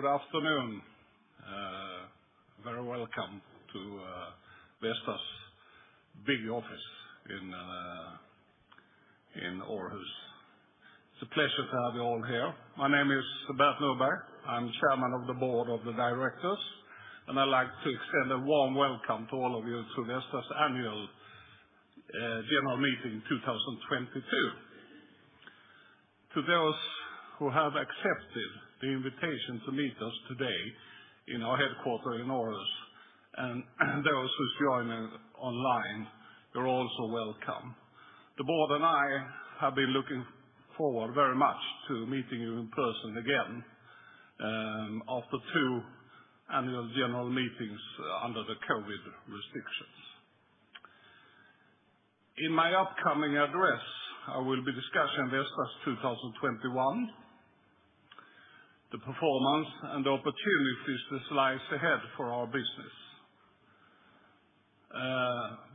Good afternoon. Very welcome to Vestas' big office in Aarhus. It's a pleasure to have you all here. My name is Bert Nordberg. I'm Chairman of the Board of Directors, and I'd like to extend a warm welcome to all of you to Vestas' Annual General Meeting 2022. To those who have accepted the invitation to meet us today in our headquarters in Aarhus and those who are joining online, you're also welcome. The Board and I have been looking forward very much to meeting you in person again, after two annual general meetings under the COVID restrictions. In my upcoming address, I will be discussing Vestas 2021, the performance and the opportunities that lie ahead for our business.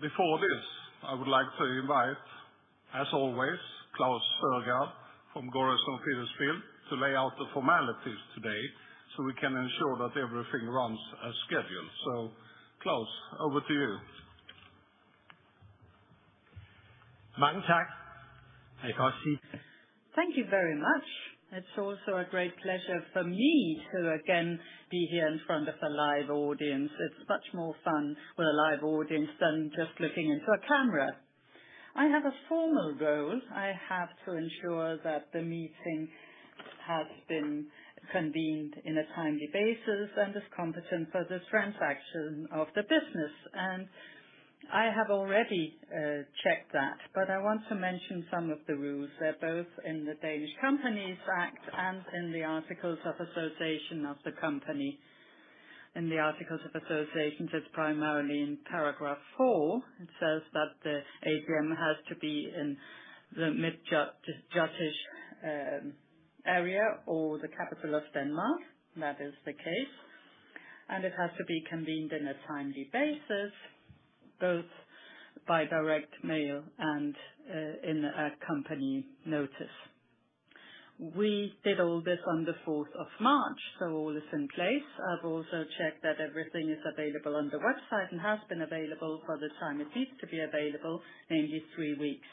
Before this, I would like to invite, as always, Klaus Søgaard from Gorrissen Federspiel, to lay out the formalities today so we can ensure that everything runs as scheduled. Klaus, over to you. Thank you very much. It's also a great pleasure for me to again be here in front of a live audience. It's much more fun with a live audience than just looking into a camera. I have a formal role. I have to ensure that the meeting has been convened in a timely basis and is competent for this transaction of the business. I have already checked that, but I want to mention some of the rules. They're both in the Danish Companies Act and in the articles of association of the company. In the articles of association, it's primarily in paragraph four. It says that the AGM has to be in the Jutland area or the capital of Denmark. That is the case. It has to be convened in a timely basis, both by direct mail and in a company notice. We did all this on the fourth of March, so all is in place. I've also checked that everything is available on the website and has been available for the time it needs to be available, namely three weeks.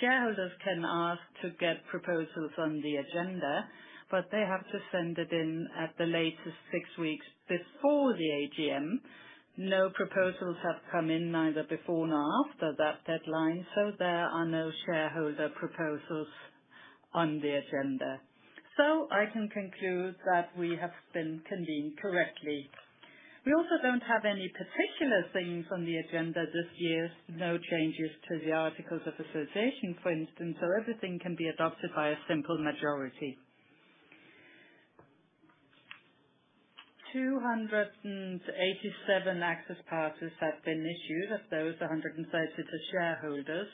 Shareholders can ask to get proposals on the agenda, but they have to send it in at the latest six weeks before the AGM. No proposals have come in, neither before nor after that deadline, so there are no shareholder proposals on the agenda. I can conclude that we have been convened correctly. We also don't have any particular things on the agenda this year. No changes to the articles of association, for instance. Everything can be adopted by a simple majority. 287 access passes have been issued. Of those, 130 to shareholders.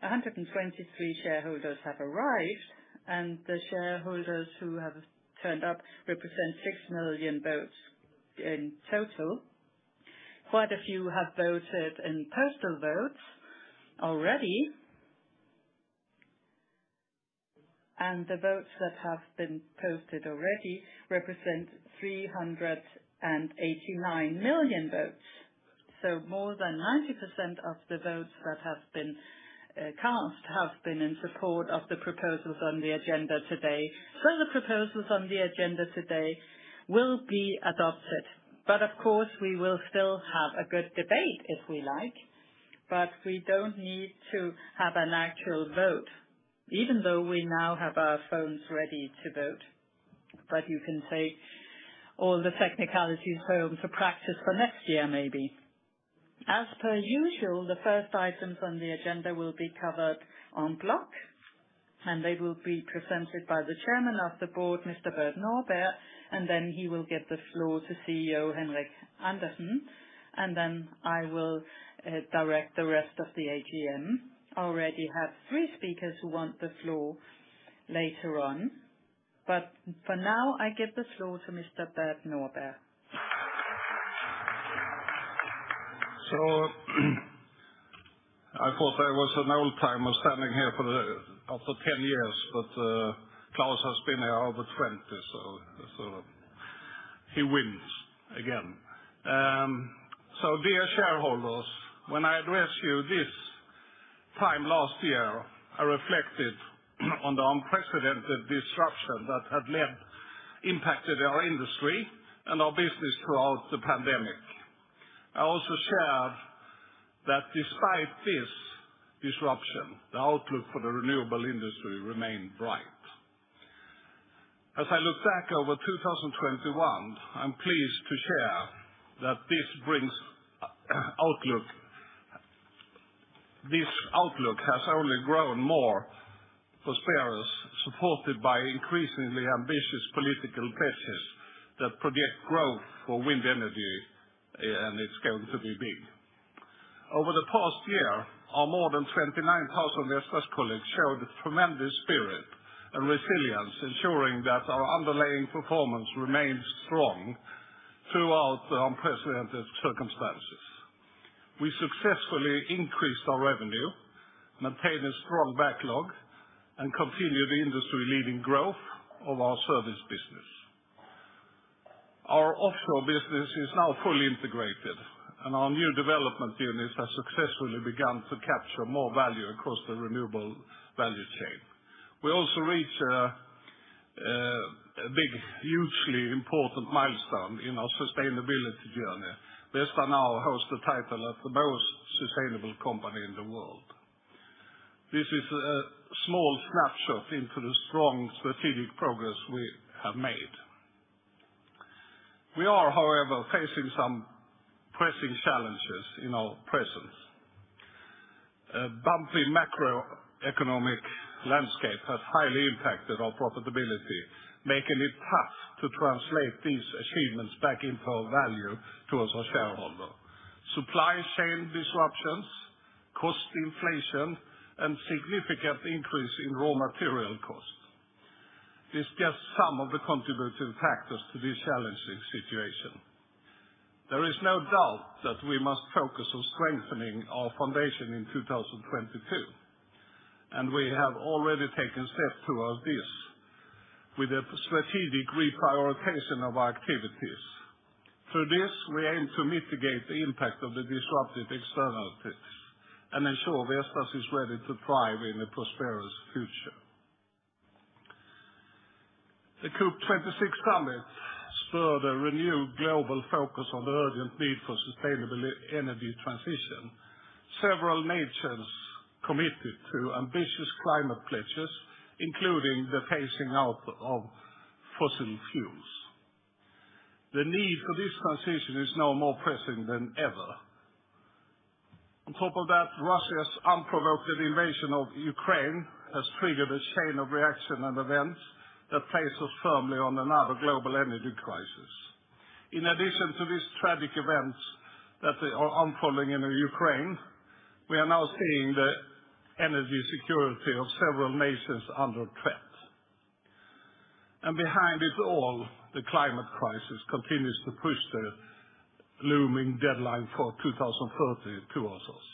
123 shareholders have arrived, and the shareholders who have turned up represent 6 million votes in total. Quite a few have voted in postal votes already. The votes that have been posted already represent 389 million votes. More than 90% of the votes that have been cast have been in support of the proposals on the agenda today. The proposals on the agenda today will be adopted, but of course we will still have a good debate if we like, but we don't need to have an actual vote, even though we now have our phones ready to vote. You can take all the technicalities home to practice for next year, maybe. As per usual, the first items on the agenda will be covered en bloc, and they will be presented by the Chairman of the Board, Mr. Bert Nordberg, and then he will give the floor to CEO Henrik Andersen, and then I will direct the rest of the AGM. Already have three speakers who want the floor later on, but for now, I give the floor to Mr. Bert Nordberg. I thought I was an old-timer standing here after 10 years, but Klaus has been here over 20, so he wins again. Dear shareholders, when I addressed you this time last year, I reflected on the unprecedented disruption that impacted our industry and our business throughout the pandemic. I also shared that despite this disruption, the outlook for the renewable industry remained bright. As I look back over 2021, I'm pleased to share that this outlook has only grown more prosperous, supported by increasingly ambitious political pledges that predict growth for wind energy, and it's going to be big. Over the past year, our more than 29,000 Vestas colleagues showed tremendous spirit and resilience, ensuring that our underlying performance remained strong throughout the unprecedented circumstances. We successfully increased our revenue, maintained a strong backlog, and continued the industry-leading growth of our service business. Our offshore business is now fully integrated, and our new development units have successfully begun to capture more value across the renewable value chain. We also reached a big, hugely important milestone in our sustainability journey. Vestas now holds the title of the most sustainable company in the world. This is a small snapshot into the strong strategic progress we have made. We are, however, facing some pressing challenges at present. A bumpy macroeconomic landscape has highly impacted our profitability, making it tough to translate these achievements back into our value to our shareholders. Supply chain disruptions, cost inflation, and significant increase in raw material cost is just some of the contributing factors to this challenging situation. There is no doubt that we must focus on strengthening our foundation in 2022, and we have already taken steps towards this with a strategic reprioritization of our activities. Through this, we aim to mitigate the impact of the disruptive externalities and ensure Vestas is ready to thrive in a prosperous future. The COP26 summit spurred a renewed global focus on the urgent need for sustainable energy transition. Several nations committed to ambitious climate pledges, including the phasing out of fossil fuels. The need for this transition is now more pressing than ever. On top of that, Russia's unprovoked invasion of Ukraine has triggered a chain reaction and events that place us firmly in another global energy crisis. In addition to these tragic events that are unfolding in Ukraine, we are now seeing the energy security of several nations under threat. Behind it all, the climate crisis continues to push the looming deadline for 2030 towards us.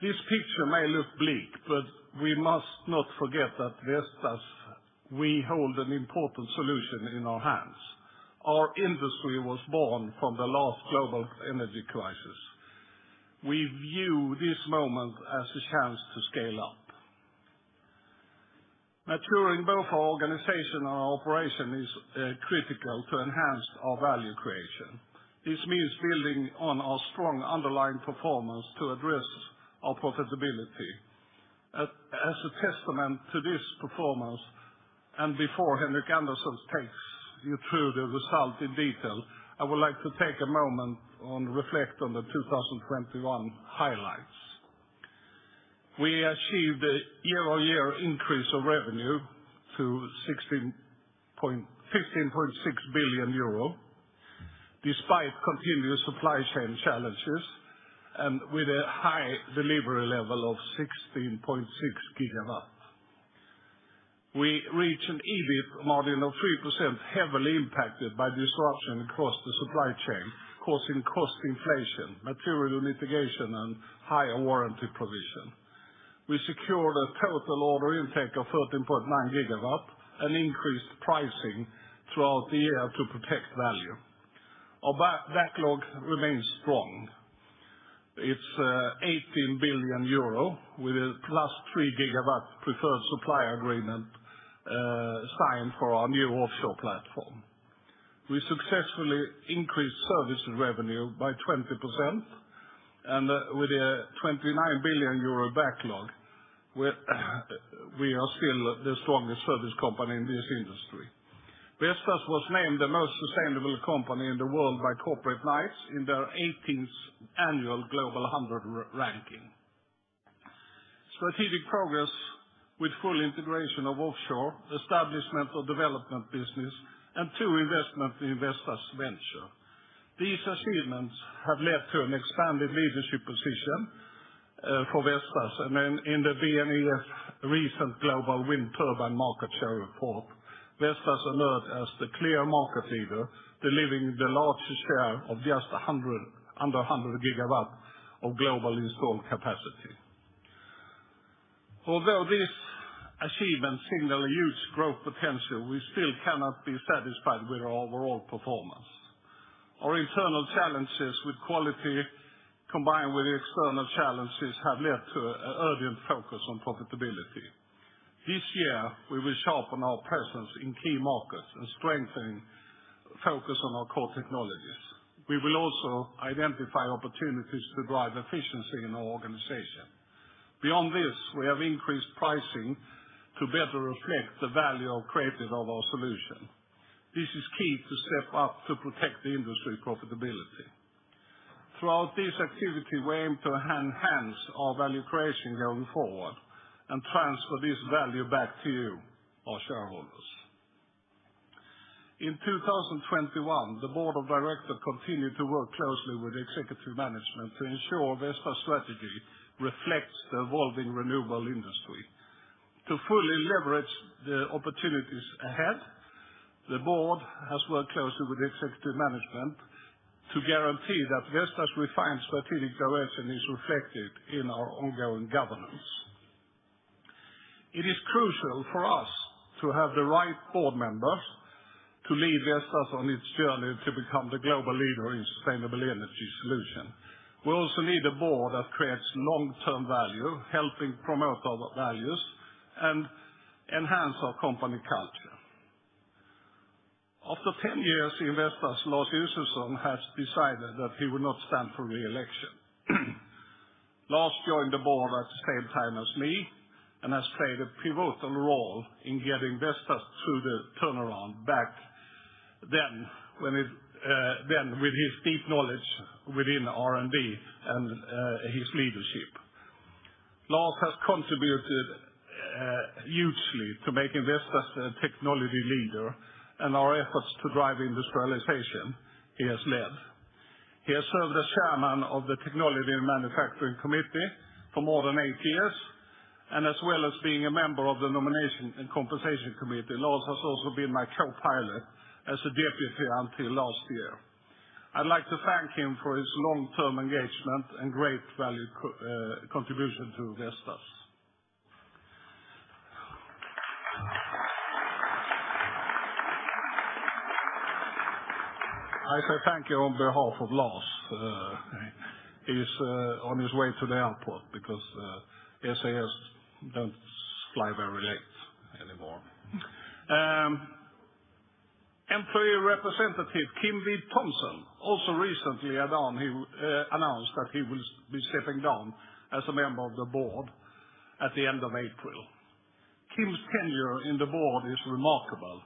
This picture may look bleak, but we must not forget at Vestas, we hold an important solution in our hands. Our industry was born from the last global energy crisis. We view this moment as a chance to scale up. Maturing both our organization and our operation is critical to enhance our value creation. This means building on our strong underlying performance to address our profitability. As a testament to this performance, and before Henrik Andersen takes you through the result in detail, I would like to take a moment and reflect on the 2021 highlights. We achieved a year-on-year increase of revenue to 15.6 billion euro, despite continued supply chain challenges and with a high delivery level of 16.6 GW. We reached an EBIT margin of 3%, heavily impacted by disruption across the supply chain, causing cost inflation, material litigation, and higher warranty provision. We secured a total order intake of 13.9 GW and increased pricing throughout the year to protect value. Our backlog remains strong. It's 18 billion euro with a +3 GW preferred supplier agreement signed for our new offshore platform. We successfully increased service revenue by 20%, and with a 29 billion euro backlog, we are still the strongest service company in this industry. Vestas was named the most sustainable company in the world by Corporate Knights in their 18th Annual Global 100 Ranking. Strategic progress with full integration of offshore, establishment of development business, and two investments in Vestas Ventures. These achievements have led to an expanded leadership position for Vestas. In the BNEF recent Global Wind Turbine Market Share Report, Vestas emerged as the clear market leader, delivering the largest share of under 100 GW of global installed capacity. Although this achievement signals a huge growth potential, we still cannot be satisfied with our overall performance. Our internal challenges with quality, combined with the external challenges, have led to an urgent focus on profitability. This year, we will sharpen our presence in key markets and strengthen focus on our core technologies. We will also identify opportunities to drive efficiency in our organization. Beyond this, we have increased pricing to better reflect the value creation of our solution. This is key to step up to protect the industry profitability. Throughout this activity, we aim to enhance our value creation going forward and transfer this value back to you, our shareholders. In 2021, the Board of Directors continued to work closely with the executive management to ensure Vestas' strategy reflects the evolving renewable industry. To fully leverage the opportunities ahead, the Board has worked closely with the executive management to guarantee that Vestas refined strategic direction is reflected in our ongoing governance. It is crucial for us to have the right Board members to lead Vestas on its journey to become the global leader in sustainable energy solution. We also need a Board that creates long-term value, helping promote our values and enhance our company culture. After 10 years in Vestas, Lars Josefsson has decided that he will not stand for re-election. Lars joined the Board at the same time as me, and has played a pivotal role in getting Vestas through the turnaround back then with his deep knowledge within R&D and his leadership. Lars has contributed hugely to making Vestas a technology leader and our efforts to drive industrialization he has led. He has served as chairman of the Technology & Manufacturing Committee for more than eight years, and as well as being a member of the Nomination & Compensation Committee, Lars has also been my co-pilot as a deputy until last year. I'd like to thank him for his long-term engagement and great value contribution to Vestas. I say thank you on behalf of Lars. He's on his way to the airport because SAS don't fly very late anymore. Employee representative, Kim Hvid Thomsen, also recently announced that he will be stepping down as a member of the Board at the end of April. Kim's tenure in the Board is remarkable,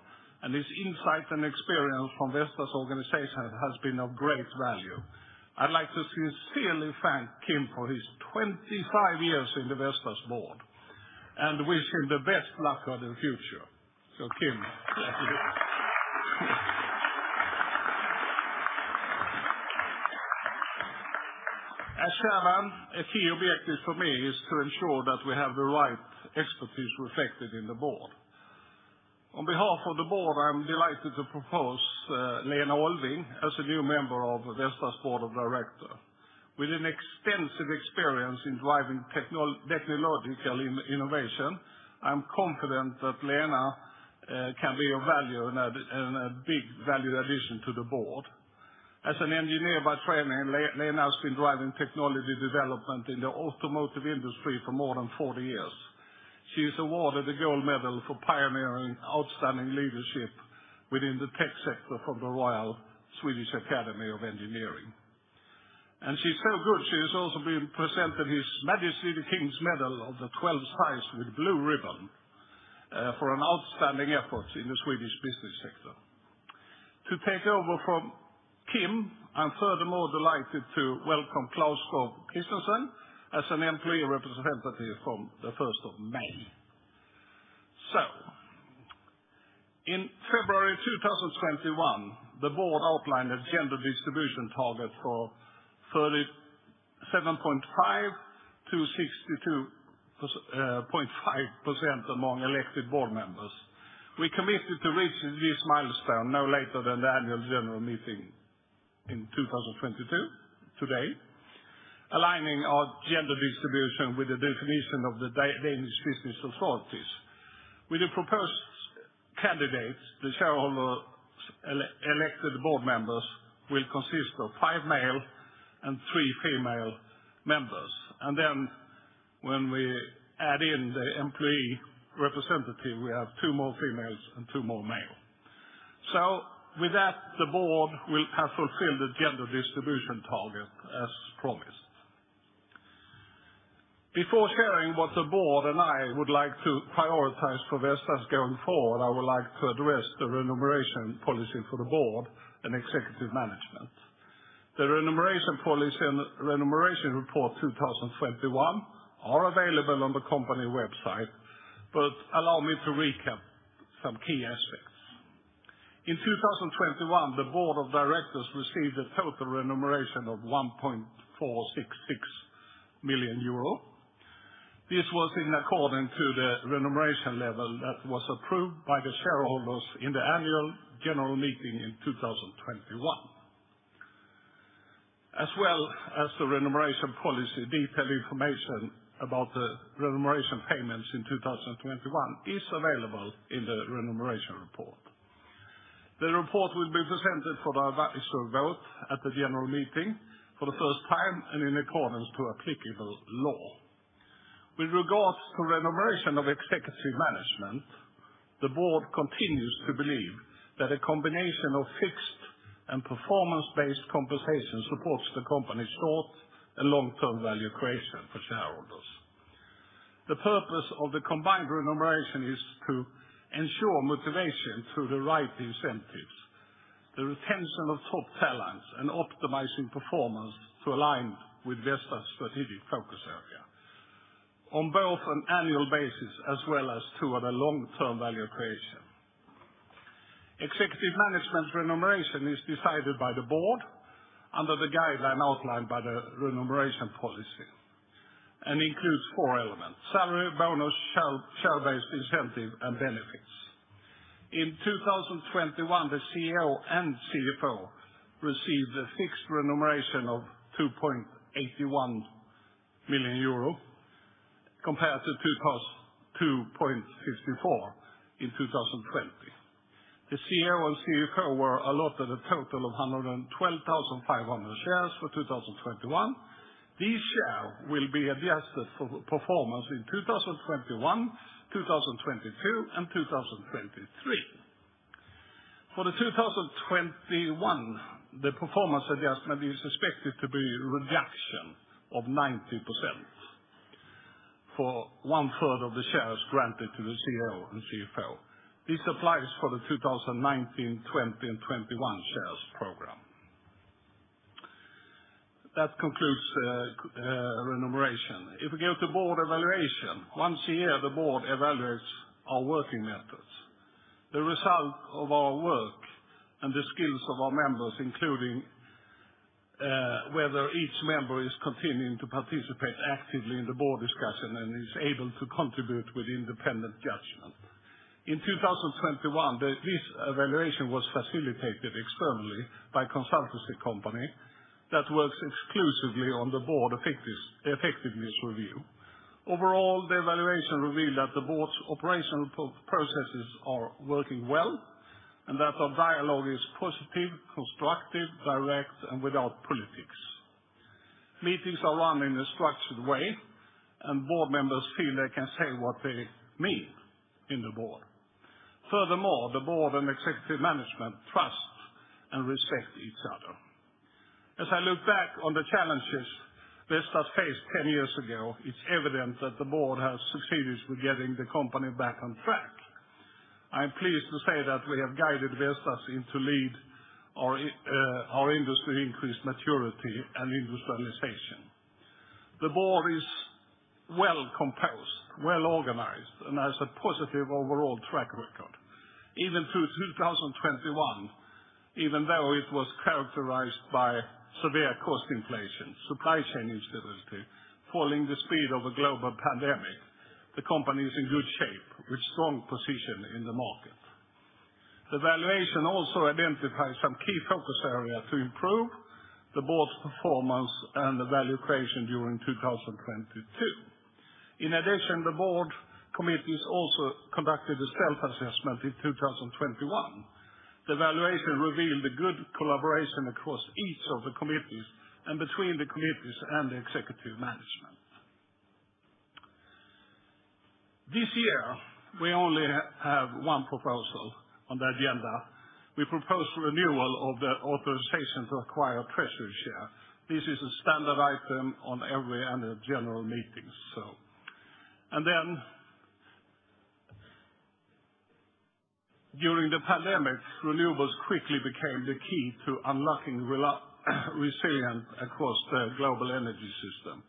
and his insight and experience from Vestas organization has been of great value. I'd like to sincerely thank Kim for his 25 years in the Vestas Board and wish him the best luck on the future. Kim, thank you. As chairman, a key objective for me is to ensure that we have the right expertise reflected in the Board. On behalf of the Board, I'm delighted to propose Lena Olving as a new member of Vestas Board of Directors. With an extensive experience in driving technological innovation, I'm confident that Lena can be of value and a big value addition to the Board. As an engineer by training, Lena has been driving technology development in the automotive industry for more than 40 years. She is awarded the Gold Medal for pioneering outstanding leadership within the tech sector from the Royal Swedish Academy of Engineering. She's so good, she has also been presented His Majesty the King's Medal of the 12th-size with blue ribbon for an outstanding effort in the Swedish business sector. To take over from Kim, I'm furthermore delighted to welcome Claus Skov Christensen as an Employee Representative from the 1st of May. In February 2021, the Board outlined a gender distribution target for 37.5%-62.5% among elected Board members. We committed to reaching this milestone no later than the Annual General Meeting in 2022, today, aligning our gender distribution with the definition of the Danish business authorities. With the proposed candidates, the shareholder-elected Board members will consist of five male and three female members. Then when we add in the employee representative, we have two more females and two more male. With that, the Board will have fulfilled the gender distribution target as promised. Before sharing what the Board and I would like to prioritize for Vestas going forward, I would like to address the remuneration policy for the Board and executive management. The remuneration policy and remuneration report 2021 are available on the company website, but allow me to recap some key aspects. In 2021, the Board of Directors received a total remuneration of 1.466 million euro. This was in accordance to the remuneration level that was approved by the shareholders in the Annual General Meeting in 2021. As well as the remuneration policy, detailed information about the remuneration payments in 2021 is available in the remuneration report. The report will be presented for the advisory vote at the general meeting for the first time and in accordance to applicable law. With regards to remuneration of executive management, the Board continues to believe that a combination of fixed and performance-based compensation supports the company's short- and long-term value creation for shareholders. The purpose of the combined remuneration is to ensure motivation through the right incentives, the retention of top talents, and optimizing performance to align with Vestas' strategic focus area, on both an annual basis as well as toward a long-term value creation. Executive management remuneration is decided by the Board under the guideline outlined by the remuneration policy, includes four elements, salary, bonus, share-based incentive, and benefits. In 2021, the CEO and CFO received a fixed remuneration of 2.81 million euro compared to 2.54 million in 2020. The CEO and CFO were allotted a total of 112,500 shares for 2021. These shares will be adjusted for performance in 2021, 2022, and 2023. For 2021, the performance adjustment is expected to be a reduction of 90% for 1/3 of the shares granted to the CEO and CFO. This applies for the 2019, 2020, and 2021 shares program. That concludes remuneration. If we go to Board evaluation, once a year, the Board evaluates our working methods, the result of our work, and the skills of our members, including whether each member is continuing to participate actively in the Board discussion and is able to contribute with independent judgment. In 2021, this evaluation was facilitated externally by a consultancy company that works exclusively on the Board Effectiveness Review. Overall, the evaluation revealed that the Board's operational processes are working well, and that our dialogue is positive, constructive, direct, and without politics. Meetings are run in a structured way, and Board members feel they can say what they mean in the Board. Furthermore, the Board and executive management trust and respect each other. As I look back on the challenges Vestas faced 10 years ago, it's evident that the Board has succeeded with getting the company back on track. I'm pleased to say that we have guided Vestas into leading our industry increased maturity and industrialization. The Board is well composed, well organized, and has a positive overall track record. Even through 2021, even though it was characterized by severe cost inflation, supply chain instability, following the spread of a global pandemic, the company is in good shape with strong position in the market. The valuation also identifies some key focus area to improve the Board's performance and the value creation during 2022. In addition, the Board committees also conducted a self-assessment in 2021. The valuation revealed a good collaboration across each of the committees and between the committees and the executive management. This year, we only have one proposal on the agenda. We propose renewal of the authorization to acquire treasury share. This is a standard item on every annual general meetings. During the pandemic, renewables quickly became the key to unlocking resilience across the global energy system.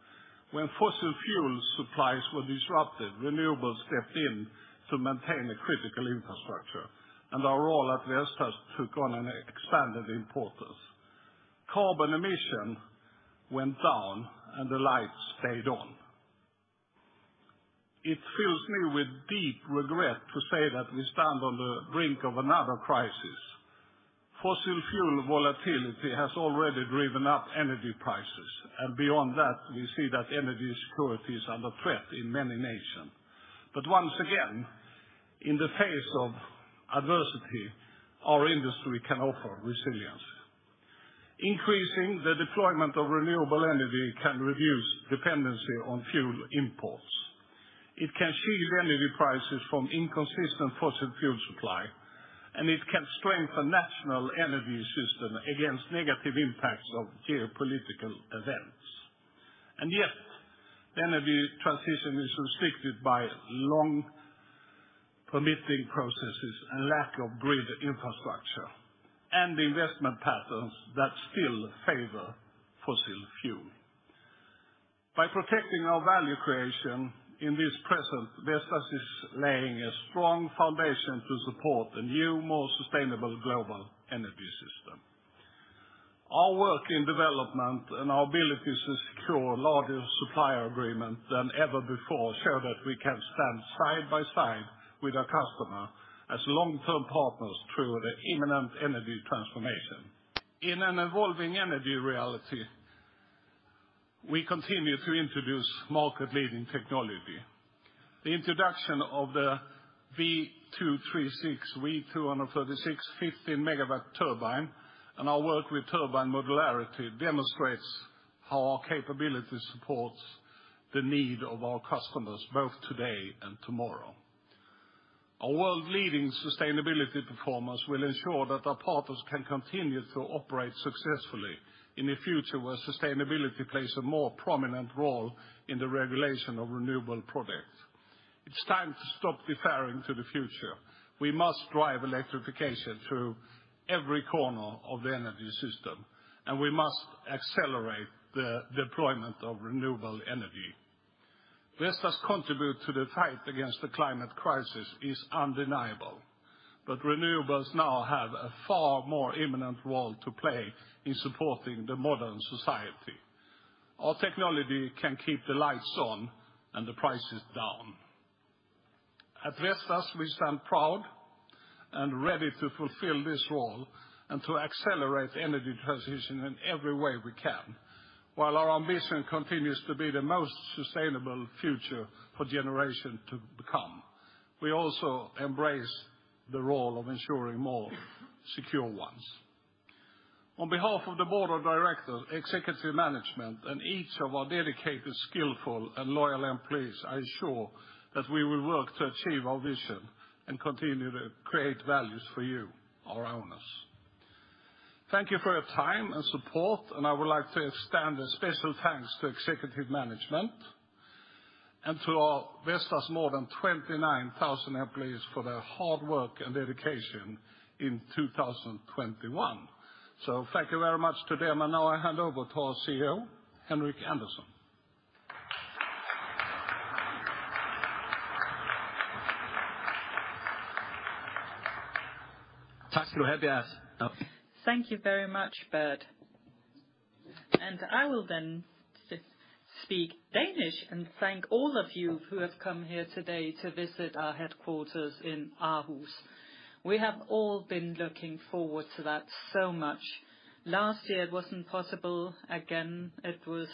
When fossil fuel supplies were disrupted, renewables stepped in to maintain a critical infrastructure, and our role at Vestas took on an expanded importance. Carbon emissions went down, and the lights stayed on. It fills me with deep regret to say that we stand on the brink of another crisis. Fossil fuel volatility has already driven up energy prices, and beyond that, we see that energy security is under threat in many nations. Once again, in the face of adversity, our industry can offer resilience. Increasing the deployment of renewable energy can reduce dependency on fuel imports. It can shield energy prices from inconsistent fossil fuel supply, and it can strengthen national energy systems against negative impacts of geopolitical events. Yet, energy transition is restricted by long permitting processes and lack of grid infrastructure and investment patterns that still favor fossil fuel. By protecting our value creation in this present, Vestas is laying a strong foundation to support the new, more sustainable global energy system. Our work in development and our ability to secure larger supplier agreement than ever before show that we can stand side by side with our customer as long-term partners through the imminent energy transformation. In an evolving energy reality, we continue to introduce market-leading technology. The introduction of the V236-15.0 MW turbine and our work with turbine modularity demonstrates how our capability supports the need of our customers, both today and tomorrow. Our world-leading sustainability performance will ensure that our partners can continue to operate successfully in a future where sustainability plays a more prominent role in the regulation of renewable products. It's time to stop deferring to the future. We must drive electrification to every corner of the energy system, and we must accelerate the deployment of renewable energy. Vestas's contribution to the fight against the climate crisis is undeniable. Renewables now have a far more imminent role to play in supporting the modern society. Our technology can keep the lights on and the prices down. At Vestas, we stand proud and ready to fulfill this role and to accelerate energy transition in every way we can. While our ambition continues to be the most sustainable future for generations to come, we also embrace the role of ensuring more secure ones. On behalf of the Board of Directors, executive management, and each of our dedicated, skillful, and loyal employees, I assure that we will work to achieve our vision and continue to create value for you, our owners. Thank you for your time and support, and I would like to extend a special thanks to executive management and to our Vestas more than 29,000 employees for their hard work and dedication in 2021. Thank you very much to them. Now I hand over to our CEO, Henrik Andersen. Thank you very much, Bert. I will then just speak Danish and thank all of you who have come here today to visit our headquarters in Aarhus. We have all been looking forward to that so much. Last year, it wasn't possible. Again, it was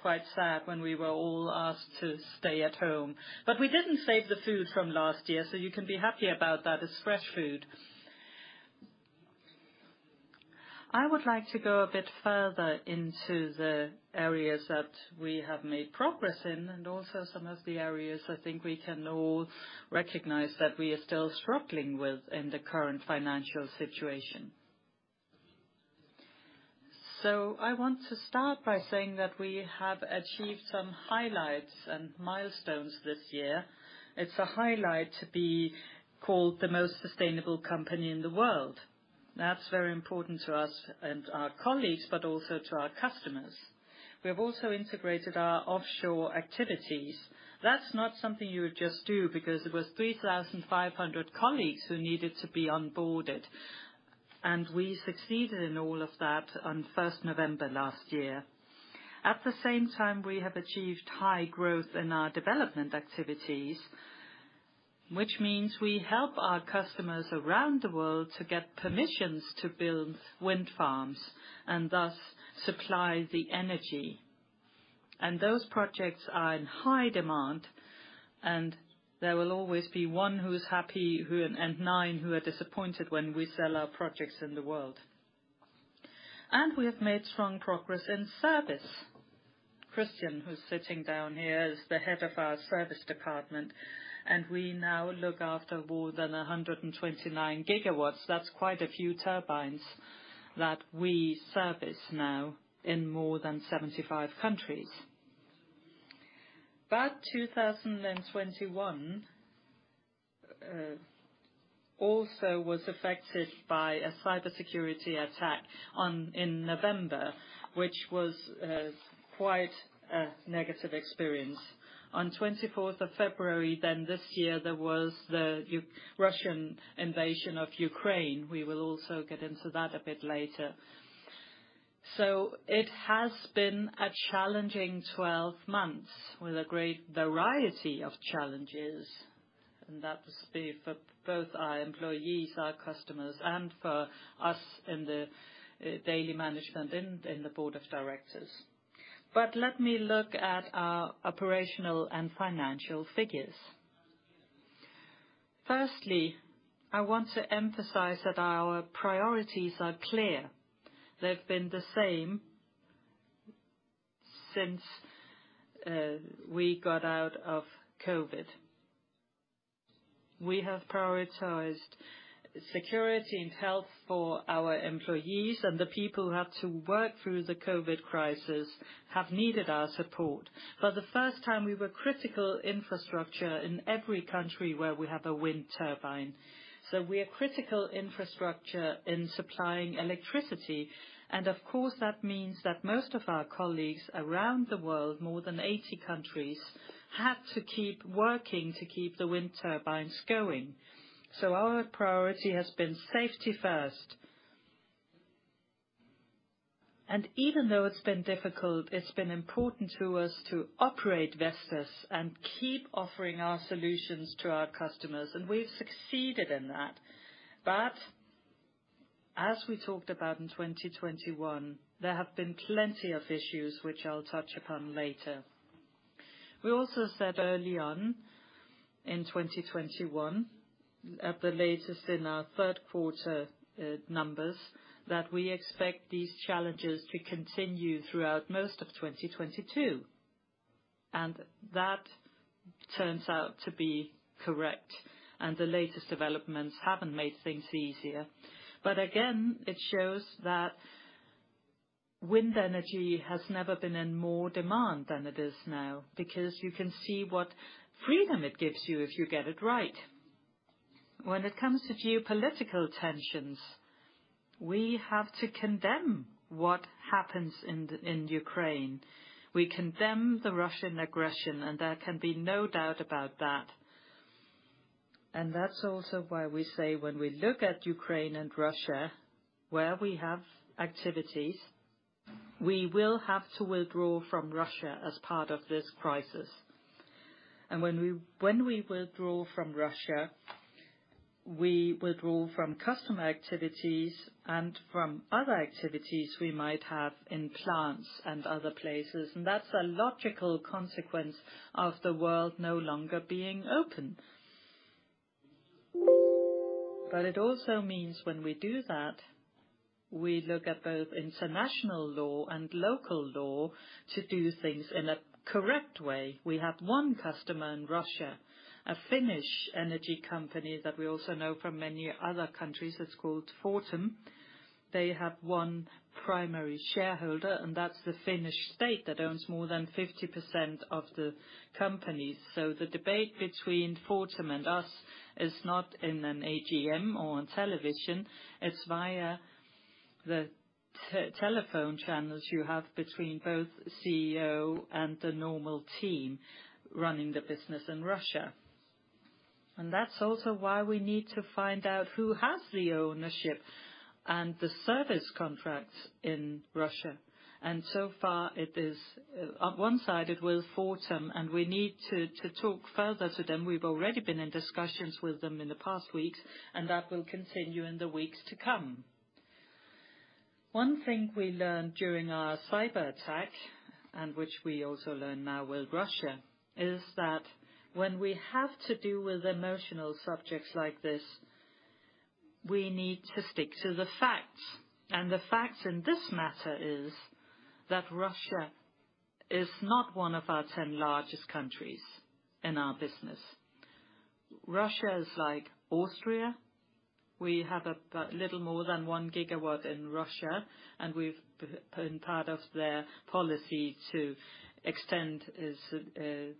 quite sad when we were all asked to stay at home. We didn't save the food from last year, so you can be happy about that. It's fresh food. I would like to go a bit further into the areas that we have made progress in and also some of the areas I think we can all recognize that we are still struggling with in the current financial situation. I want to start by saying that we have achieved some highlights and milestones this year. It's a highlight to be called the most sustainable company in the world. That's very important to us and our colleagues, but also to our customers. We have also integrated our offshore activities. That's not something you would just do because it was 3,500 colleagues who needed to be onBoarded, and we succeeded in all of that on November last year. At the same time, we have achieved high growth in our development activities, which means we help our customers around the world to get permissions to build wind farms and thus supply the energy. Those projects are in high demand, and there will always be one who's happy and nine who are disappointed when we sell our projects in the world. We have made strong progress in service. Kristiaan, who's sitting down here, is the head of our service department, and we now look after more than 129 GW. That's quite a few turbines that we service now in more than 75 countries. 2021 also was affected by a cybersecurity attack in November, which was quite a negative experience. On 24th of February this year, there was the Russian invasion of Ukraine. We will also get into that a bit later. It has been a challenging 12 months with a great variety of challenges, and that is for both our employees, our customers, and for us in the daily management and in the Board of Directors. Let me look at our operational and financial figures. First, I want to emphasize that our priorities are clear. They've been the same since we got out of COVID. We have prioritized security and health for our employees, and the people who have to work through the COVID crisis have needed our support. For the first time, we were critical infrastructure in every country where we have a wind turbine. We are critical infrastructure in supplying electricity. Of course, that means that most of our colleagues around the world, more than 80 countries, had to keep working to keep the wind turbines going. Our priority has been safety first. Even though it's been difficult, it's been important to us to operate Vestas and keep offering our solutions to our customers, and we've succeeded in that. As we talked about in 2021, there have been plenty of issues which I'll touch upon later. We also said early on in 2021, at the latest in our third quarter numbers, that we expect these challenges to continue throughout most of 2022. That turns out to be correct, and the latest developments haven't made things easier. Again, it shows that wind energy has never been in more demand than it is now because you can see what freedom it gives you if you get it right. When it comes to geopolitical tensions, we have to condemn what happens in Ukraine. We condemn the Russian aggression, and there can be no doubt about that. That's also why we say when we look at Ukraine and Russia, where we have activities, we will have to withdraw from Russia as part of this crisis. When we withdraw from Russia, we withdraw from customer activities and from other activities we might have in plants and other places. That's a logical consequence of the world no longer being open. It also means when we do that, we look at both international law and local law to do things in a correct way. We have one customer in Russia, a Finnish energy company that we also know from many other countries. It's called Fortum. They have one primary shareholder, and that's the Finnish state that owns more than 50% of the company. The debate between Fortum and us is not in an AGM or on television. It's via the telephone channels you have between both CEO and the normal team running the business in Russia. That's also why we need to find out who has the ownership and the service contracts in Russia. So far, it is on one side, it with Fortum, and we need to talk further to them. We've already been in discussions with them in the past weeks, and that will continue in the weeks to come. One thing we learned during our cyberattack, and which we also learn now with Russia, is that when we have to do with emotional subjects like this, we need to stick to the facts. The facts in this matter is that Russia is not one of our 10 largest countries in our business. Russia is like Austria. We have a little more than 1 GW in Russia, and we've been part of their policy to extend its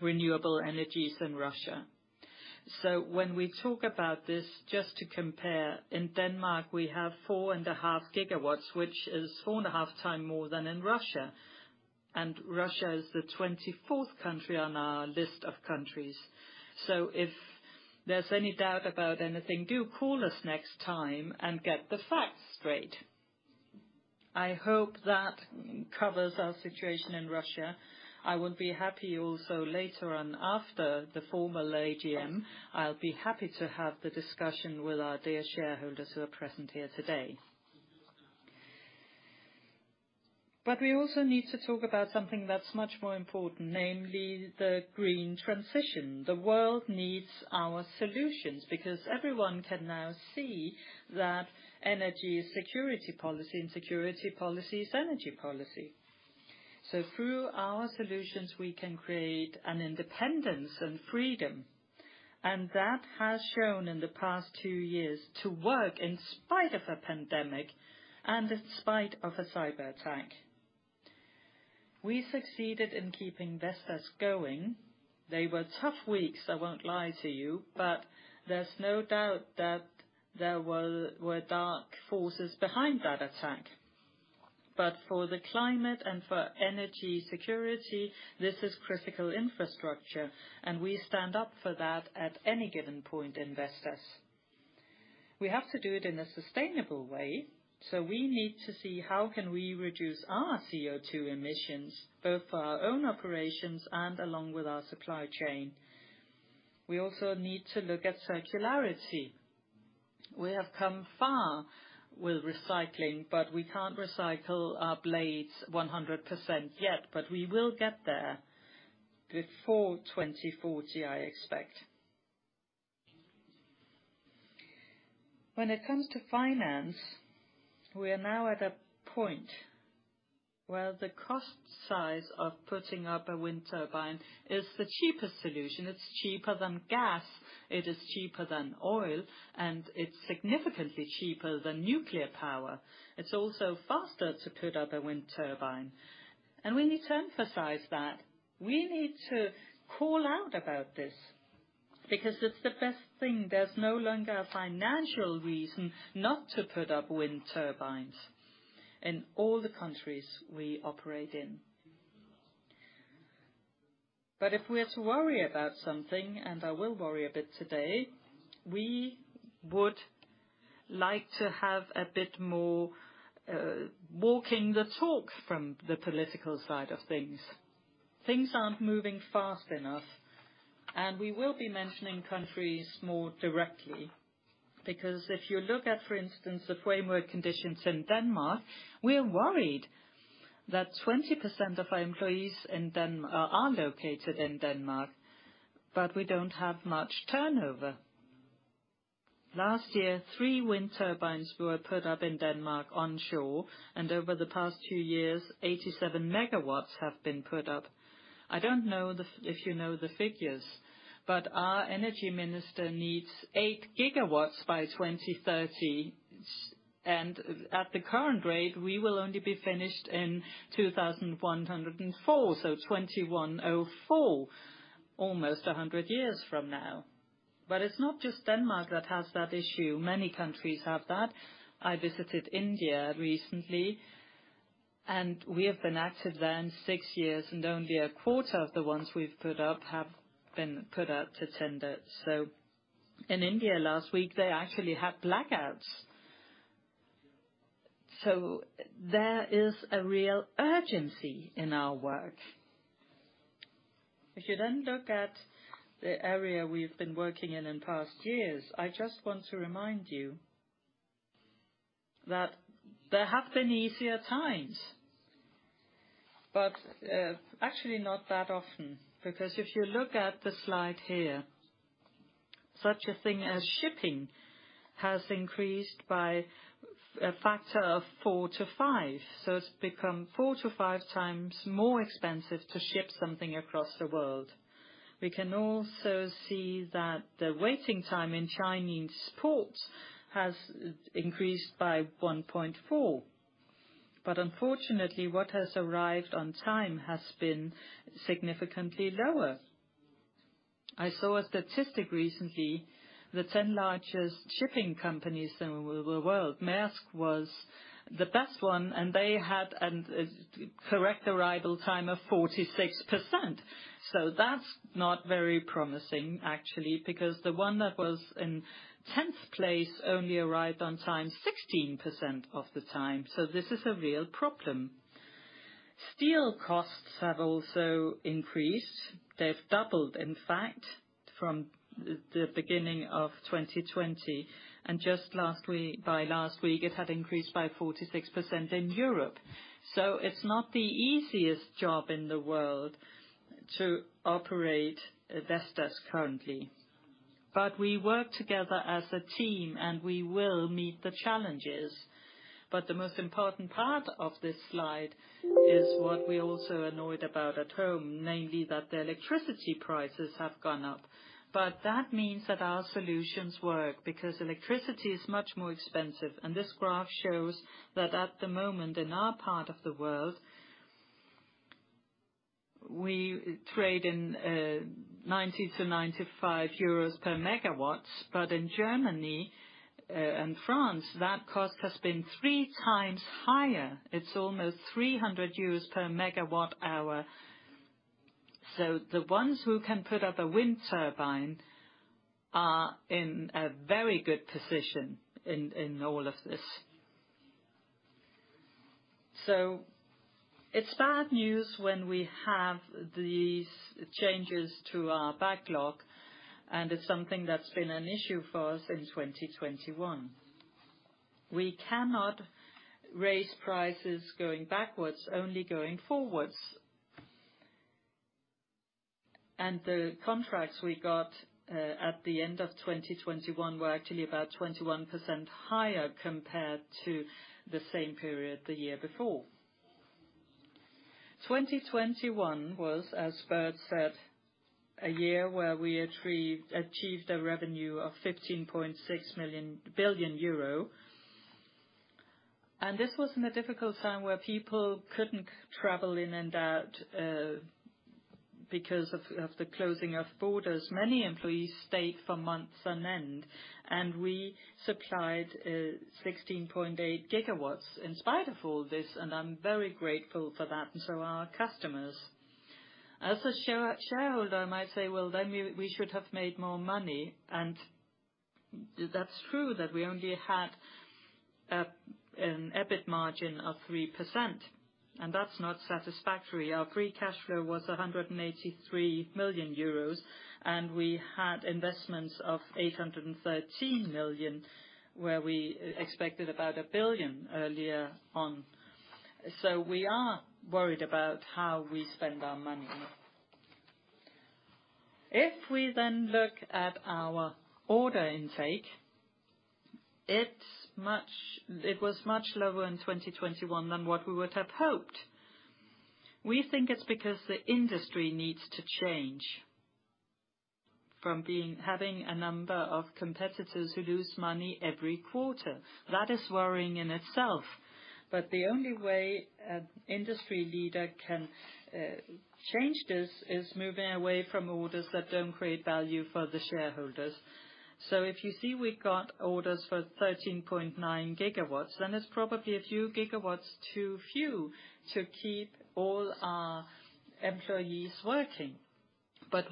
renewable energies in Russia. When we talk about this, just to compare, in Denmark, we have 4.5 GW, which is 4.5x more than in Russia. Russia is the 24th country on our list of countries. If there's any doubt about anything, do call us next time and get the facts straight. I hope that covers our situation in Russia. I would be happy also later on after the formal AGM. I'll be happy to have the discussion with our dear shareholders who are present here today. We also need to talk about something that's much more important, namely the green transition. The world needs our solutions because everyone can now see that energy is security policy, and security policy is energy policy. Through our solutions, we can create an independence and freedom. That has shown in the past two years to work in spite of a pandemic and in spite of a cyberattack. We succeeded in keeping Vestas going. They were tough weeks, I won't lie to you, but there's no doubt that there were dark forces behind that attack. For the climate and for energy security, this is critical infrastructure, and we stand up for that at any given point in Vestas. We have to do it in a sustainable way, so we need to see how can we reduce our CO2 emissions, both our own operations and along with our supply chain. We also need to look at circularity. We have come far with recycling, but we can't recycle our blades 100% yet, but we will get there before 2040, I expect. When it comes to finance, we are now at a point where the cost size of putting up a wind turbine is the cheapest solution. It's cheaper than gas, it is cheaper than oil, and it's significantly cheaper than nuclear power. It's also faster to put up a wind turbine. We need to emphasize that. We need to call out about this because it's the best thing. There's no longer a financial reason not to put up wind turbines in all the countries we operate in. If we are to worry about something, and I will worry a bit today, we would like to have a bit more, walking the talk from the political side of things. Things aren't moving fast enough, and we will be mentioning countries more directly. Because if you look at, for instance, the framework conditions in Denmark, we are worried that 20% of our employees in Denmark are located in Denmark, but we don't have much turnover. Last year, three wind turbines were put up in Denmark onshore, and over the past two years, 87 MW have been put up. I don't know if you know the figures, but our energy minister needs 8 GW by 2030. And at the current rate, we will only be finished in 2104. 2104, almost 100 years from now. It's not just Denmark that has that issue, many countries have that. I visited India recently, and we have been active there six years, and only 1/4 of the ones we've put up have been put up to tender. In India last week, they actually had blackouts. There is a real urgency in our work. If you then look at the area we've been working in past years, I just want to remind you that there have been easier times. Actually not that often, because if you look at the slide here, such a thing as shipping has increased by a factor of 4-5. It's become 4x-5x more expensive to ship something across the world. We can also see that the waiting time in Chinese ports has increased by 1.4. Unfortunately, what has arrived on time has been significantly lower. I saw a statistic recently, the 10 largest shipping companies in the world, Maersk was the best one, and they had a correct arrival time of 46%. That's not very promising actually, because the one that was in 10th place only arrived on time 16% of the time. This is a real problem. Steel costs have also increased. They've doubled, in fact, from the beginning of 2020. Just last week, it had increased by 46% in Europe. It's not the easiest job in the world to operate Vestas currently. We work together as a team, and we will meet the challenges. The most important part of this slide is what we're also annoyed about at home, namely that the electricity prices have gone up. That means that our solutions work because electricity is much more expensive. This graph shows that at the moment in our part of the world, we trade in 90-95 euros per MW. In Germany and France, that cost has been three times higher. It's almost 300 euros per MWh. The ones who can put up a wind turbine are in a very good position in all of this. It's bad news when we have these changes to our backlog, and it's something that's been an issue for us in 2021. We cannot raise prices going backwards, only going forwards. The contracts we got at the end of 2021 were actually about 21% higher compared to the same period the year before. 2021 was, as Bert said, a year where we achieved a revenue of 15.6 billion euro. This was in a difficult time where people couldn't travel in and out because of the closing of borders. Many employees stayed for months on end, and we supplied 16.8 GW in spite of all this, and I'm very grateful for that, and so are customers. As a shareholder, I might say, "Well, then we should have made more money." That's true that we only had an EBIT margin of 3%, and that's not satisfactory. Our free cash flow was 183 million euros, and we had investments of 813 million, where we expected about 1 billion earlier on. We are worried about how we spend our money. If we then look at our order intake, it was much lower in 2021 than what we would have hoped. We think it's because the industry needs to change from having a number of competitors who lose money every quarter. That is worrying in itself. The only way an industry leader can change this is moving away from orders that don't create value for the shareholders. If you see we got orders for 13.9 gigawatts, then it's probably a few gigawatts too few to keep all our employees working.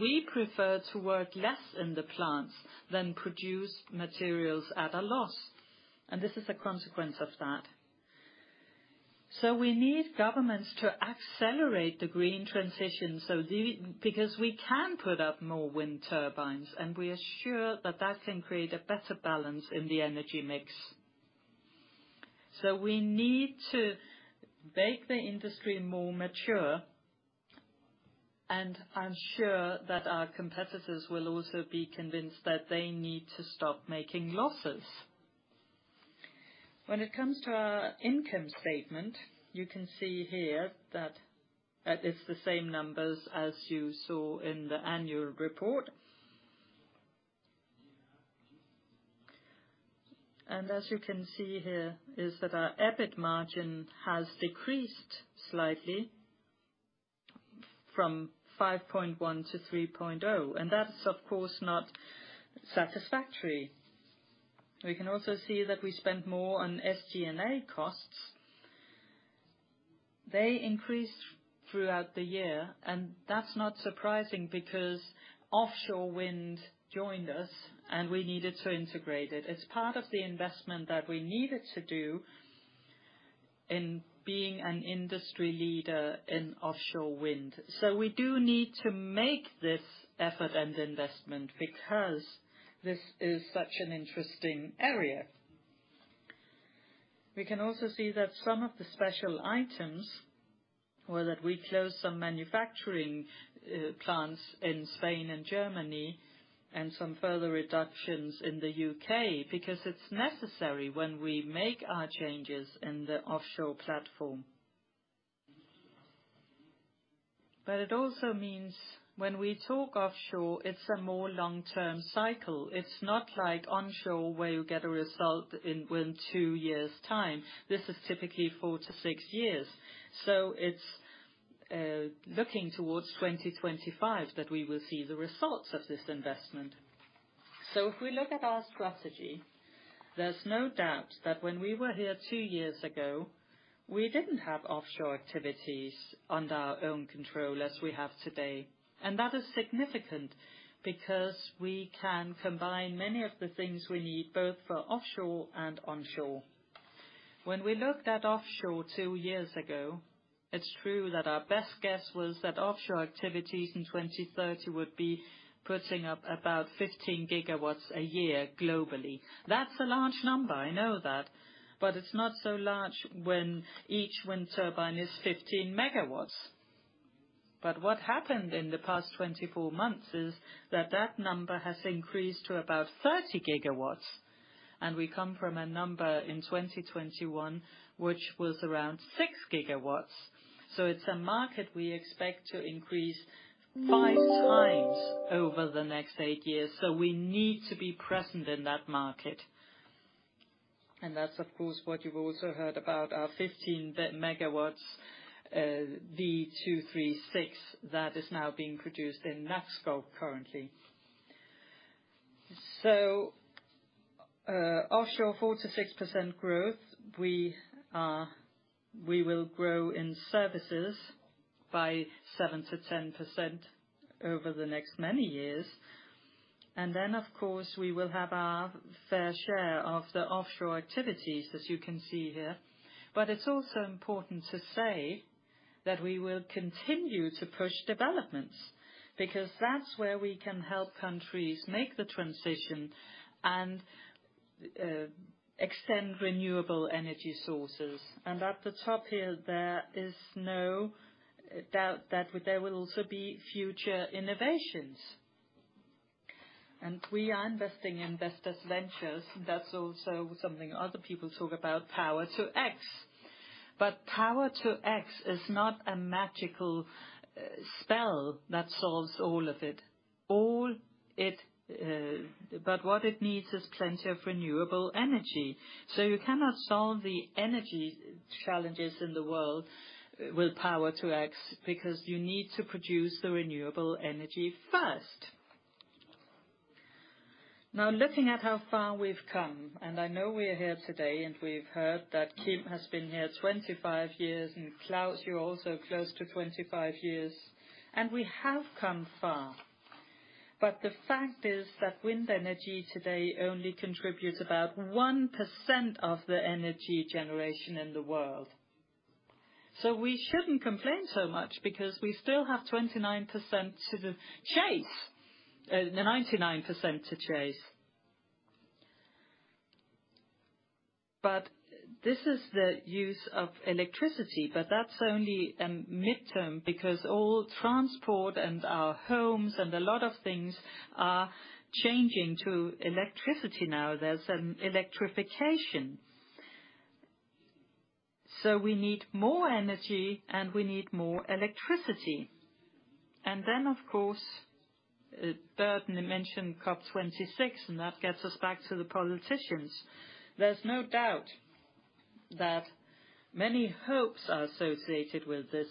We prefer to work less in the plants than produce materials at a loss. This is a consequence of that. We need governments to accelerate the green transition because we can put up more wind turbines, and we are sure that that can create a better balance in the energy mix. We need to make the industry more mature, and I'm sure that our competitors will also be convinced that they need to stop making losses. When it comes to our income statement, you can see here that it's the same numbers as you saw in the annual report. As you can see here is that our EBIT margin has decreased slightly from 5.1% to 3.0%, and that's of course not satisfactory. We can also see that we spent more on SG&A costs. They increased throughout the year, and that's not surprising because offshore wind joined us and we needed to integrate it. It's part of the investment that we needed to do in being an industry leader in offshore wind. We do need to make this effort and investment because this is such an interesting area. We can also see that some of the special items were that we closed some manufacturing plants in Spain and Germany and some further reductions in the U.K. because it's necessary when we make our changes in the offshore platform. It also means when we talk offshore, it's a more long-term cycle. It's not like onshore, where you get a result in within two years' time. This is typically four-six years. It's looking towards 2025 that we will see the results of this investment. If we look at our strategy, there's no doubt that when we were here two years ago, we didn't have offshore activities under our own control as we have today. That is significant because we can combine many of the things we need both for offshore and onshore. When we looked at offshore two years ago, it's true that our best guess was that offshore activities in 2030 would be putting up about 15 GW a year globally. That's a large number, I know that, but it's not so large when each wind turbine is 15 MW. What happened in the past 24 months is that that number has increased to about 30 GW, and we come from a number in 2021, which was around 6 GW. It's a market we expect to increase 5 times over the next eight years, so we need to be present in that market. That's, of course, what you've also heard about our 15 MW V236 that is now being produced in Nakskov currently. Offshore, 4%-6% growth. We will grow in services by 7%-10% over the next many years. Then, of course, we will have our fair share of the offshore activities, as you can see here. It's also important to say that we will continue to push developments because that's where we can help countries make the transition and extend renewable energy sources. At the top here, there is no doubt that there will also be future innovations. We are investing in Vestas Ventures. That's also something other people talk about, Power-to-X. Power-to-X is not a magical spell that solves all of it. What it needs is plenty of renewable energy. You cannot solve the energy challenges in the world with Power-to-X, because you need to produce the renewable energy first. Now, looking at how far we've come, and I know we are here today and we've heard that Kim has been here 25 years, and Klaus, you're also close to 25 years, and we have come far. The fact is that wind energy today only contributes about 1% of the energy generation in the world. We shouldn't complain so much because we still have 29% to chase, 99% to chase. This is the use of electricity, but that's only midterm because all transport and our homes and a lot of things are changing to electricity now. There's an electrification. We need more energy and we need more electricity. Then, of course, Bert mentioned COP26, and that gets us back to the politicians. There's no doubt that many hopes are associated with this.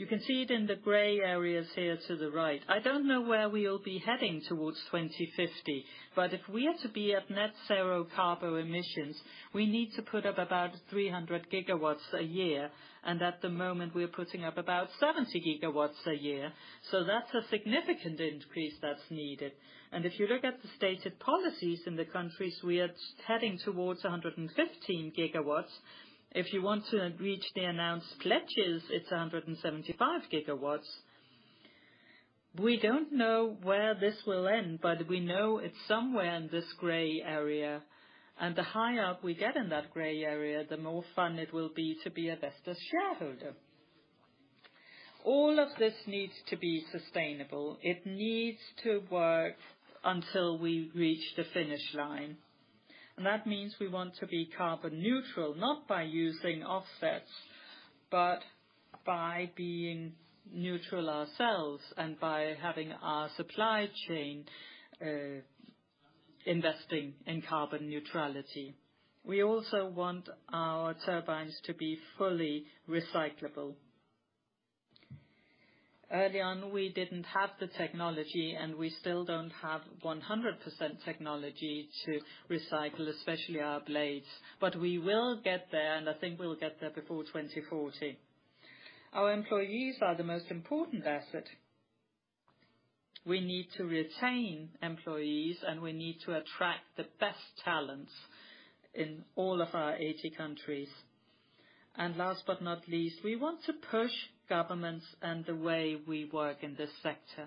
You can see it in the gray areas here to the right. I don't know where we'll be heading towards 2050, but if we are to be at net zero carbon emissions, we need to put up about 300 GW a year. At the moment, we're putting up about 70 GW a year. That's a significant increase that's needed. If you look at the stated policies in the countries, we are heading towards 115 GW. If you want to reach the announced pledges, it's 175 GW. We don't know where this will end, but we know it's somewhere in this gray area. The higher up we get in that gray area, the more fun it will be to be a Vestas shareholder. All of this needs to be sustainable. It needs to work until we reach the finish line. That means we want to be carbon neutral, not by using offsets, but by being neutral ourselves and by having our supply chain investing in carbon neutrality. We also want our turbines to be fully recyclable. Early on, we didn't have the technology, and we still don't have 100% technology to recycle, especially our blades. But we will get there, and I think we'll get there before 2040. Our employees are the most important asset. We need to retain employees, and we need to attract the best talents in all of our 80 countries. Last but not least, we want to push governments and the way we work in this sector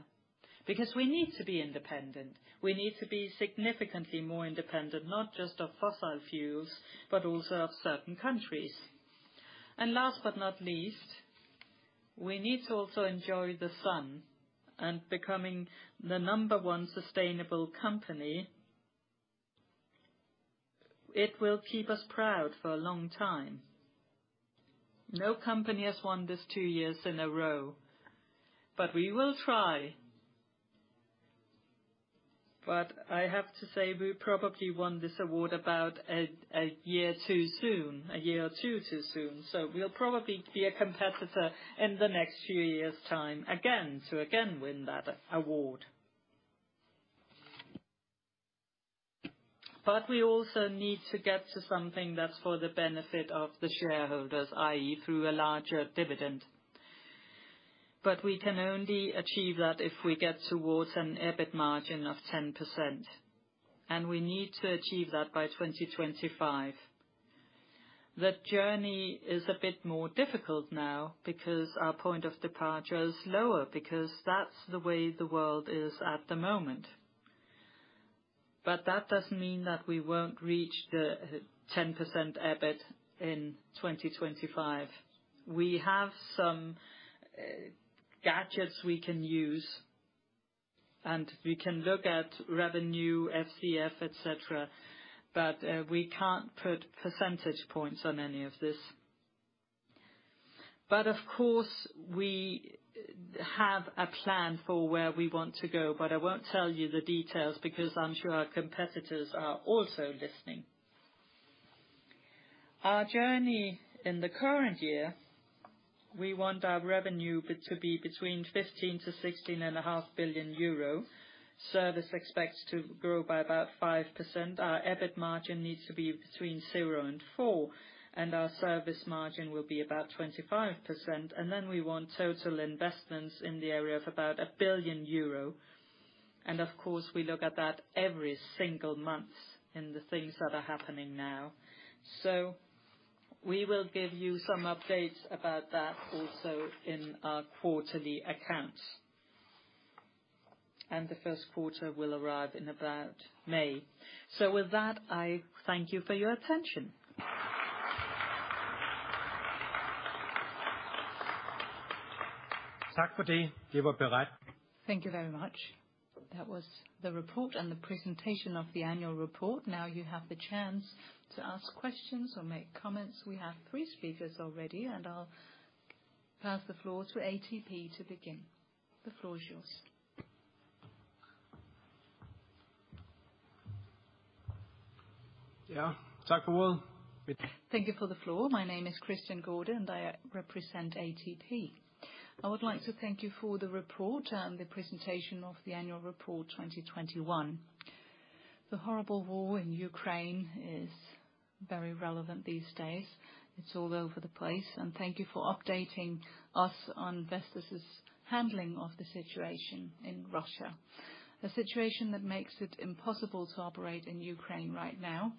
because we need to be independent. We need to be significantly more independent, not just of fossil fuels, but also of certain countries. Last but not least, we need to also enjoy the win and becoming the number one sustainable company. It will keep us proud for a long time. No company has won this two years in a row, but we will try. I have to say, we probably won this award about a year too soon, a year or two too soon. We'll probably be a competitor in the next few years' time again, to again win that award. We also need to get to something that's for the benefit of the shareholders, i.e., through a larger dividend. We can only achieve that if we get towards an EBIT margin of 10%, and we need to achieve that by 2025. That journey is a bit more difficult now because our point of departure is lower because that's the way the world is at the moment. That doesn't mean that we won't reach the 10% EBIT in 2025. We have some gadgets we can use, and we can look at revenue, FCF, etc., but we can't put percentage points on any of this. Of course, we have a plan for where we want to go, but I won't tell you the details because I'm sure our competitors are also listening. Our journey in the current year, we want our revenue to be between 15 billion-16.5 billion euro. Service expects to grow by about 5%. Our EBIT margin needs to be between 0%-4%, and our service margin will be about 25%. Then we want total investments in the area of about 1 billion euro. Of course, we look at that every single month in the things that are happening now. We will give you some updates about that also in our quarterly accounts. The first quarter will arrive in about May. With that, I thank you for your attention. Thank you very much. That was the report and the presentation of the annual report. Now you have the chance to ask questions or make comments. We have three speakers already, and I'll pass the floor to ATP to begin. The floor is yours. Thank you for the floor. My name is Kristiaan Garde, and I represent ATP. I would like to thank you for the report and the presentation of the annual report 2021. The horrible war in Ukraine is very relevant these days. It's all over the place. Thank you for updating us on Vestas' handling of the situation in Russia, a situation that makes it impossible to operate in Ukraine right now,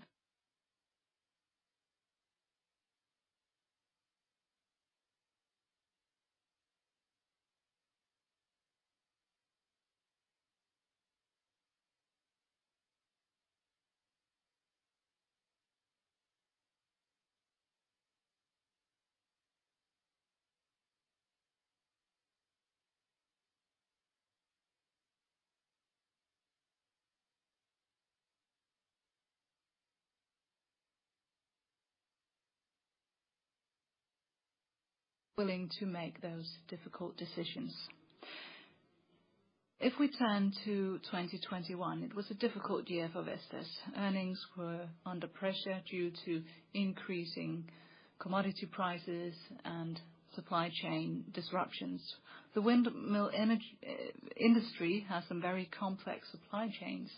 willing to make those difficult decisions. If we turn to 2021, it was a difficult year for Vestas. Earnings were under pressure due to increasing commodity prices and supply chain disruptions. The wind energy industry has some very complex supply chains,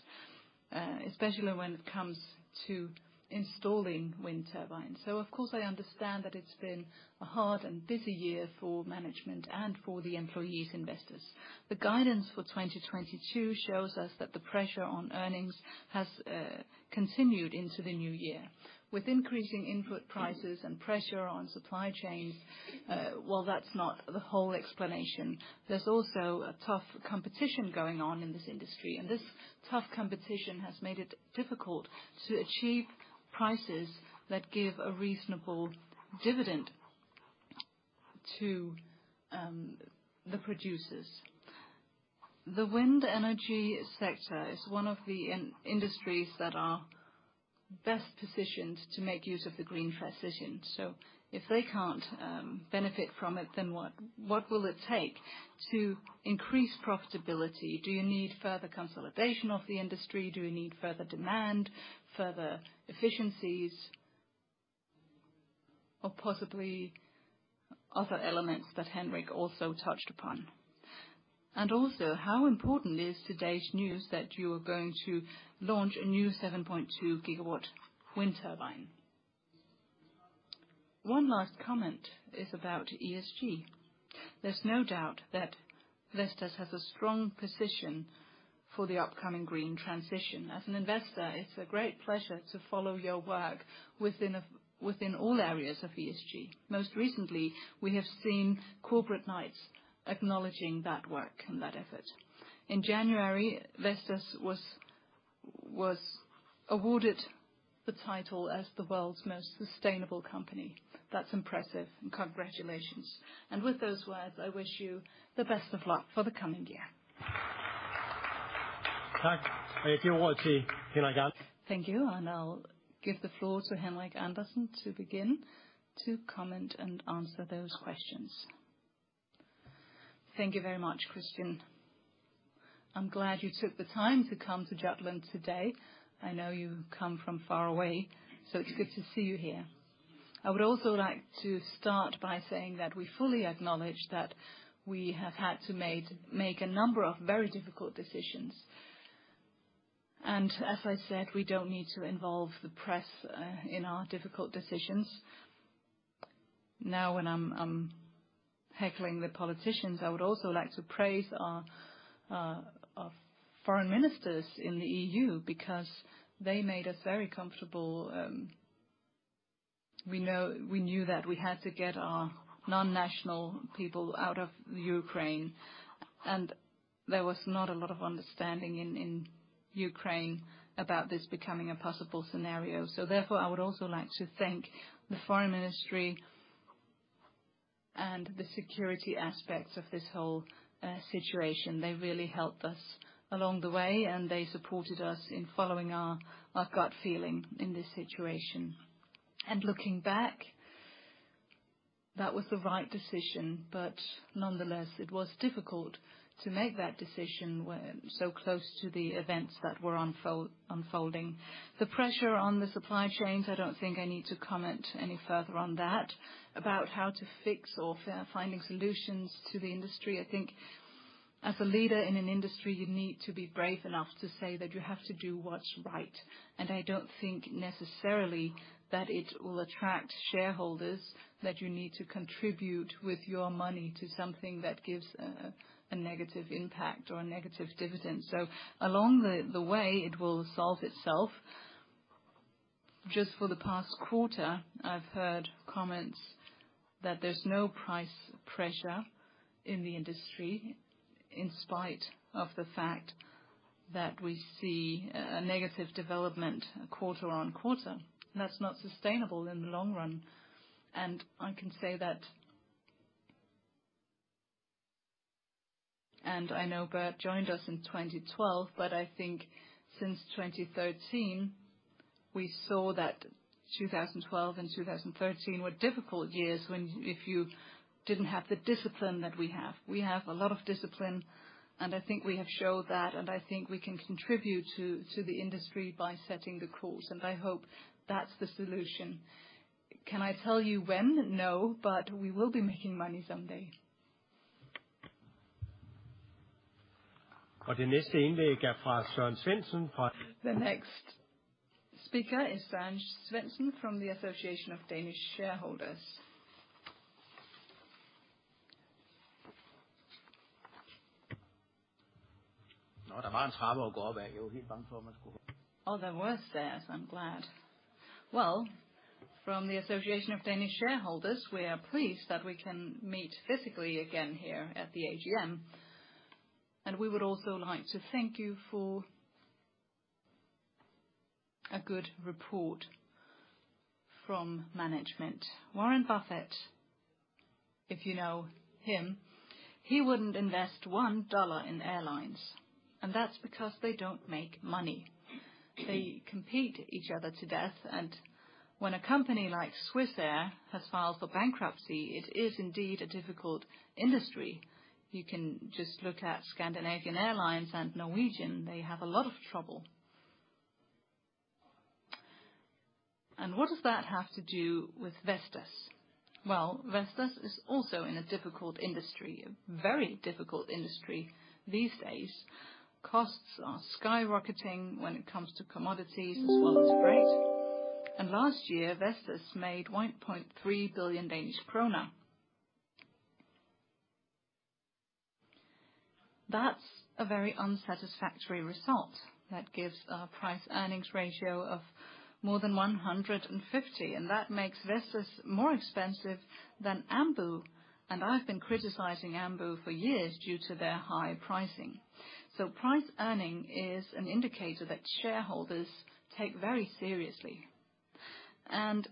especially when it comes to installing wind turbines. Of course, I understand that it's been a hard and busy year for management and for the employees, investors. The guidance for 2022 shows us that the pressure on earnings has continued into the new year. With increasing input prices and pressure on supply chains, while that's not the whole explanation, there's also a tough competition going on in this industry, and this tough competition has made it difficult to achieve prices that give a reasonable dividend to the producers. The wind energy sector is one of the industries that are best positioned to make use of the green transition. If they can't benefit from it, then what will it take to increase profitability? Do you need further consolidation of the industry? Do we need further demand, further efficiencies, or possibly other elements that Henrik also touched upon? Also, how important is today's news that you are going to launch a new 7.2 GW wind turbine? One last comment is about ESG. There's no doubt that Vestas has a strong position for the upcoming green transition. As an investor, it's a great pleasure to follow your work within all areas of ESG. Most recently, we have seen Corporate Knights acknowledging that work and that effort. In January, Vestas was awarded the title as the world's most sustainable company. That's impressive, and congratulations. With those words, I wish you the best of luck for the coming year. Thank you. I'll give the floor to Henrik Andersen to begin to comment and answer those questions. Thank you very much, Kristiaan. I'm glad you took the time to come to Jutland today. I know you've come from far away, so it's good to see you here. I would also like to start by saying that we fully acknowledge that we have had to make a number of very difficult decisions. As I said, we don't need to involve the press in our difficult decisions. Now, when I'm heckling the politicians, I would also like to praise our foreign ministers in the EU because they made us very comfortable. We knew that we had to get our non-national people out of Ukraine, and there was not a lot of understanding in Ukraine about this becoming a possible scenario. Therefore, I would also like to thank the foreign ministry and the security aspects of this whole situation. They really helped us along the way, and they supported us in following our gut feeling in this situation. Looking back, that was the right decision. Nonetheless, it was difficult to make that decision when so close to the events that were unfolding. The pressure on the supply chains, I don't think I need to comment any further on that. About how to fix or finding solutions to the industry, I think as a leader in an industry, you need to be brave enough to say that you have to do what's right. I don't think necessarily that it will attract shareholders, that you need to contribute with your money to something that gives a negative impact or a negative dividend. Along the way it will solve itself. Just for the past quarter, I've heard comments that there's no price pressure in the industry, in spite of the fact that we see a negative development quarter on quarter. That's not sustainable in the long run. I can say that. I know Bert joined us in 2012, but I think since 2013, we saw that 2012 and 2013 were difficult years when if you didn't have the discipline that we have. We have a lot of discipline, and I think we have showed that, and I think we can contribute to the industry by setting the course, and I hope that's the solution. Can I tell you when? No, but we will be making money someday. The next speaker is Søren Svendsen from the Danish Shareholders Association. Oh, there was theirs. I'm glad. Well, from the Danish Shareholders Association, we are pleased that we can meet physically again here at the AGM. We would also like to thank you for a good report from management. Warren Buffett, if you know him, he wouldn't invest $1 in airlines, and that's because they don't make money. They compete each other to death, and when a company like Swissair has filed for bankruptcy, it is indeed a difficult industry. You can just look at Scandinavian Airlines and Norwegian. They have a lot of trouble. What does that have to do with Vestas? Well, Vestas is also in a difficult industry, a very difficult industry these days. Costs are skyrocketing when it comes to commodities as well as freight. Last year, Vestas made 1.3 billion Danish krone. That's a very unsatisfactory result. That gives a price-earnings ratio of more than 150, and that makes Vestas more expensive than Ambu, and I've been criticizing Ambu for years due to their high pricing. Price earnings is an indicator that shareholders take very seriously. In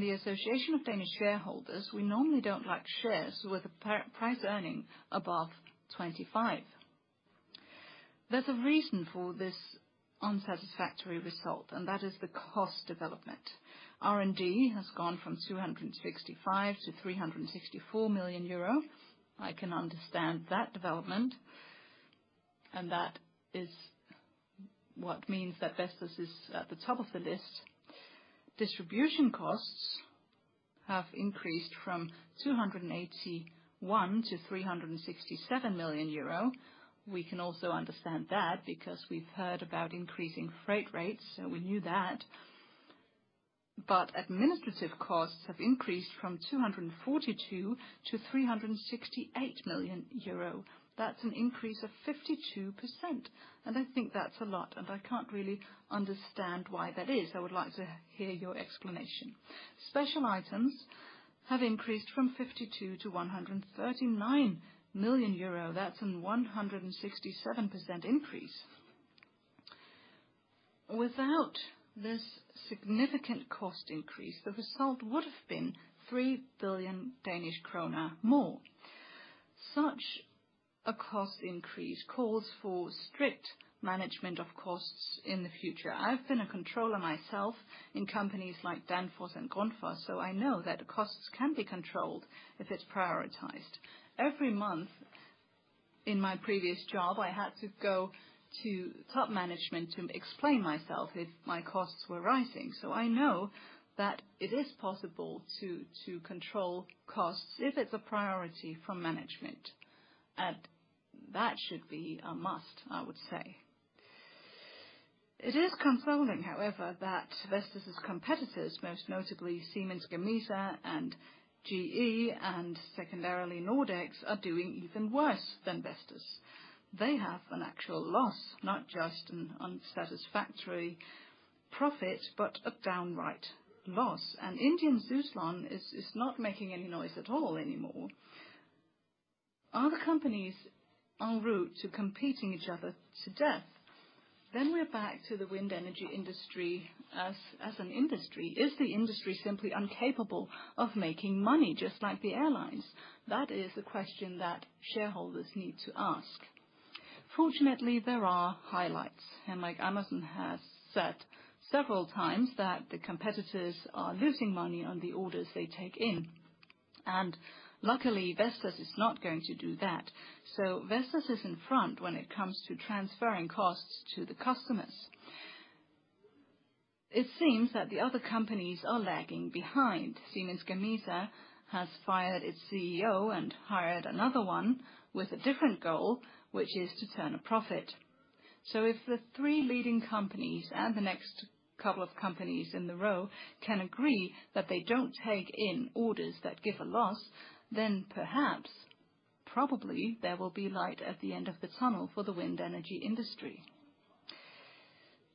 the Association of Danish Shareholders, we normally don't like shares with a price earnings above 25. There's a reason for this unsatisfactory result, and that is the cost development. R&D has gone from 265 million to 364 million euro. I can understand that development, and that is what means that Vestas is at the top of the list. Distribution costs have increased from 281 million to 367 million euro. We can also understand that because we've heard about increasing freight rates, so we knew that. Administrative costs have increased from 242 million to 368 million euro. That's an increase of 52%, and I think that's a lot, and I can't really understand why that is. I would like to hear your explanation. Special items have increased from 52 million to 139 million euro. That's a 167% increase. Without this significant cost increase, the result would have been 3 billion Danish krone more. Such a cost increase calls for strict management of costs in the future. I've been a controller myself in companies like Danfoss and Grundfos, so I know that costs can be controlled if it's prioritized. Every month in my previous job, I had to go to top management to explain myself if my costs were rising, so I know that it is possible to control costs if it's a priority from management. That should be a must, I would say. It is consoling, however, that Vestas' competitors, most notably Siemens Gamesa, and GE, and secondarily, Nordex, are doing even worse than Vestas. They have an actual loss, not just an unsatisfactory profit, but a downright loss. Indian Suzlon is not making any noise at all anymore. Are the companies en route to competing each other to death? We're back to the wind energy industry as an industry. Is the industry simply incapable of making money just like the airlines? That is a question that shareholders need to ask. Fortunately, there are highlights, and like Henrik Andersen has said several times that the competitors are losing money on the orders they take in. Luckily, Vestas is not going to do that. Vestas is in front when it comes to transferring costs to the customers. It seems that the other companies are lagging behind. Siemens Gamesa has fired its CEO and hired another one with a different goal, which is to turn a profit. If the three leading companies and the next couple of companies in the row can agree that they don't take in orders that give a loss, then perhaps, probably, there will be light at the end of the tunnel for the wind energy industry.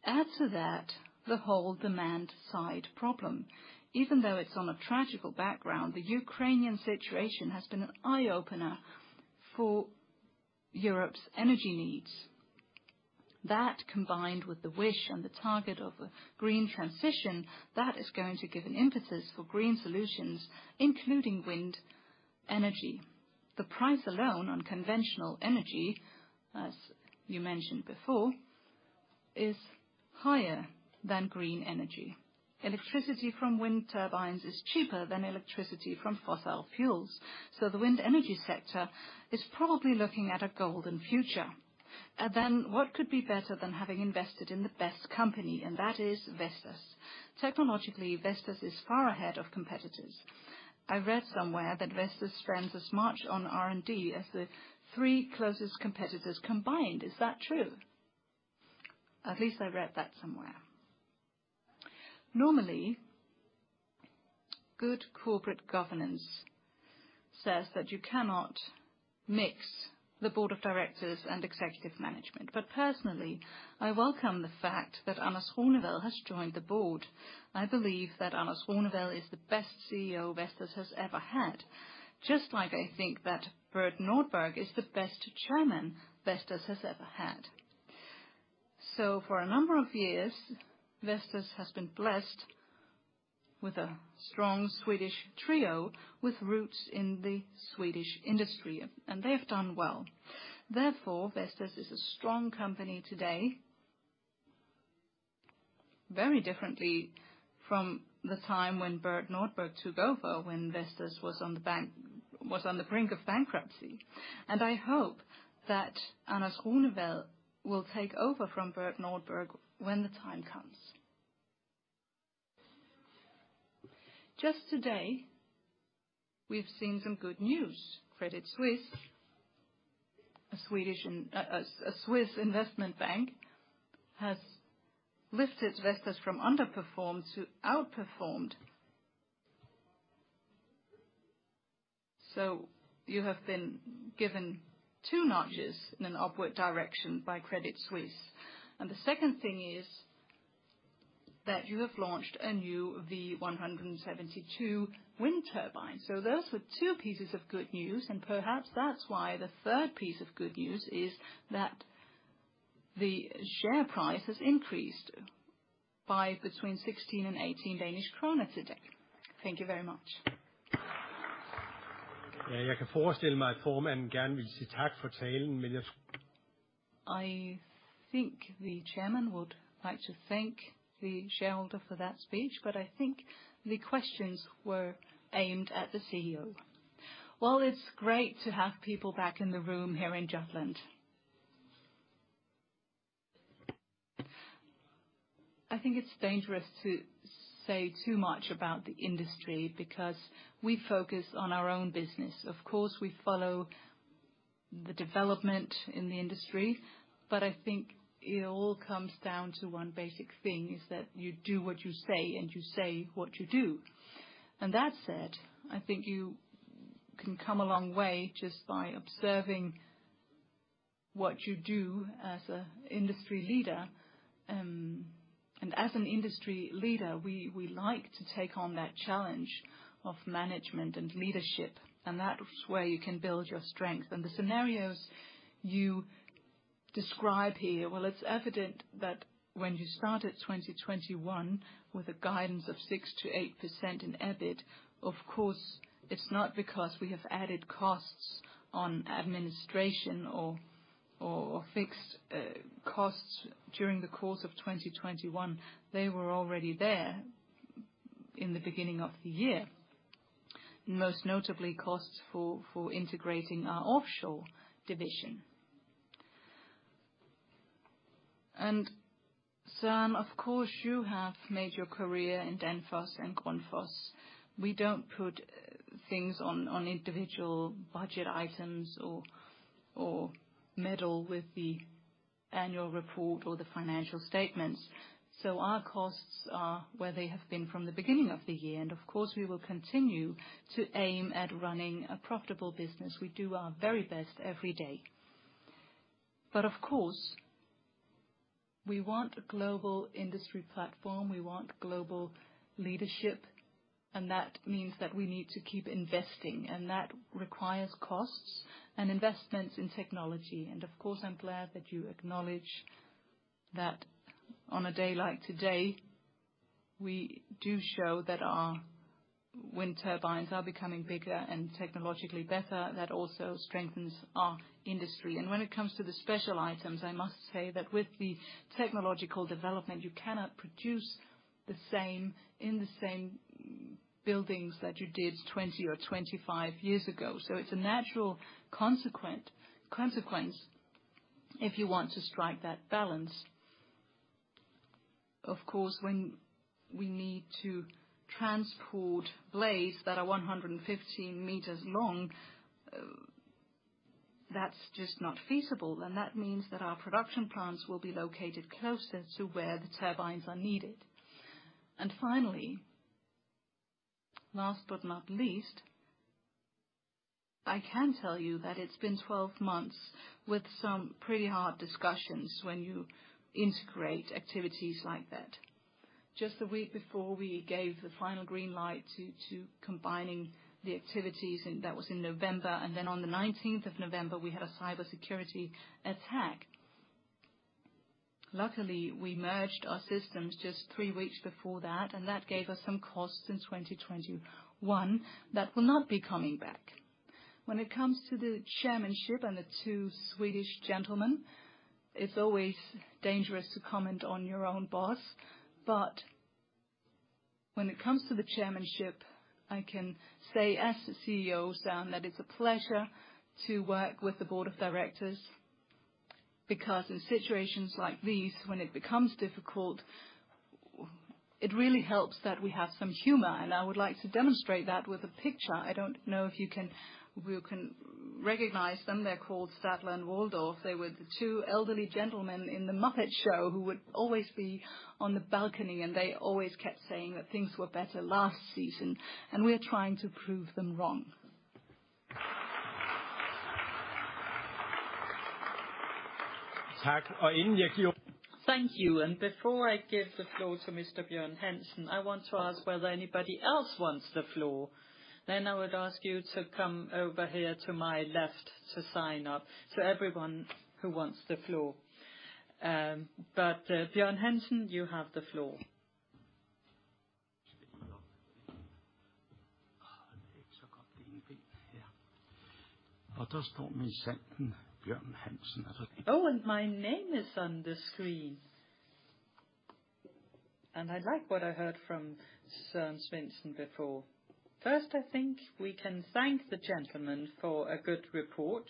Add to that the whole demand side problem. Even though it's on a tragic background, the Ukrainian situation has been an eye-opener for Europe's energy needs. That combined with the wish and the target of a green transition, that is going to give an impetus for green solutions, including wind energy. The price alone on conventional energy, as you mentioned before, is higher than green energy. Electricity from wind turbines is cheaper than electricity from fossil fuels. The wind energy sector is probably looking at a golden future. What could be better than having invested in the best company? That is Vestas. Technologically, Vestas is far ahead of competitors. I read somewhere that Vestas spends as much on R&D as the three closest competitors combined. Is that true? At least I read that somewhere. Normally, good corporate governance says that you cannot mix the Board of Directors and executive management. Personally, I welcome the fact that Anders Runevad has joined the Board. I believe that Anders Runevad is the best CEO Vestas has ever had, just like I think that Bert Nordberg is the best Chairman Vestas has ever had. For a number of years, Vestas has been blessed with a strong Swedish trio with roots in the Swedish industry, and they've done well. Therefore, Vestas is a strong company today, very differently from the time when Bert Nordberg took over, when Vestas was on the brink of bankruptcy. I hope that Anders Runevad will take over from Bert Nordberg when the time comes. Just today, we've seen some good news. Credit Suisse, a Swedish and a Swiss investment bank, has lifted Vestas from underperformed to outperformed. You have been given two notches in an upward direction by Credit Suisse. The second thing is that you have launched a new V172 wind turbine. Those are two pieces of good news, and perhaps that's why the third piece of good news is that the share price has increased by between 16 and 18 Danish kroner today. Thank you very much. Yeah, I think the chairman would like to thank the shareholder for that speech, but I think the questions were aimed at the CEO. While it's great to have people back in the room here in Jutland. I think it's dangerous to say too much about the industry because we focus on our own business. Of course, we follow the development in the industry, but I think it all comes down to one basic thing, is that you do what you say and you say what you do. That said, I think you can come a long way just by observing what you do as an industry leader. As an industry leader, we like to take on that challenge of management and leadership, and that's where you can build your strength. The scenarios you describe here, well, it's evident that when you started 2021 with a guidance of 6%-8% in EBIT, of course, it's not because we have added costs on administration or fixed costs during the course of 2021. They were already there in the beginning of the year. Most notably costs for integrating our offshore division. Sam, of course, you have made your career in Danfoss and Grundfos. We don't put things on individual budget items or meddle with the annual report or the financial statements. So our costs are where they have been from the beginning of the year. Of course, we will continue to aim at running a profitable business. We do our very best every day. Of course, we want a global industry platform. We want global leadership, and that means that we need to keep investing, and that requires costs and investments in technology. Of course, I'm glad that you acknowledge that on a day like today, we do show that our wind turbines are becoming bigger and technologically better. That also strengthens our industry. When it comes to the special items, I must say that with the technological development, you cannot produce the same in the same buildings that you did 20 or 25 years ago. It's a natural consequence if you want to strike that balance. Of course, when we need to transport blades that are 115 meters long, that's just not feasible. That means that our production plants will be located closer to where the turbines are needed. Finally, last but not least, I can tell you that it's been 12 months with some pretty hard discussions when you integrate activities like that. Just the week before we gave the final green light to combining the activities, and that was in November. Then on 19th of November, we had a cybersecurity attack. Luckily, we merged our systems just 3 weeks before that, and that gave us some costs in 2021 that will not be coming back. When it comes to the chairmanship and the two Swedish gentlemen, it's always dangerous to comment on your own boss. When it comes to the chairmanship, I can say as the CEO, Sam, that it's a pleasure to work with the Board of Directors, because in situations like these, when it becomes difficult, it really helps that we have some humor, and I would like to demonstrate that with a picture. I don't know if you can recognize them. They're called Statler and Waldorf. They were the two elderly gentlemen in The Muppet Show who would always be on the balcony, and they always kept saying that things were better last season, and we are trying to prove them wrong. Thank you. Before I give the floor to Mr. Bjørn Hansen, I want to ask whether anybody else wants the floor. Then I would ask you to come over here to my left to sign up. Everyone who wants the floor. Björn Hansen, you have the floor. My name is on the screen. I like what I heard from Søren Svendsen before. First, I think we can thank the gentleman for a good report,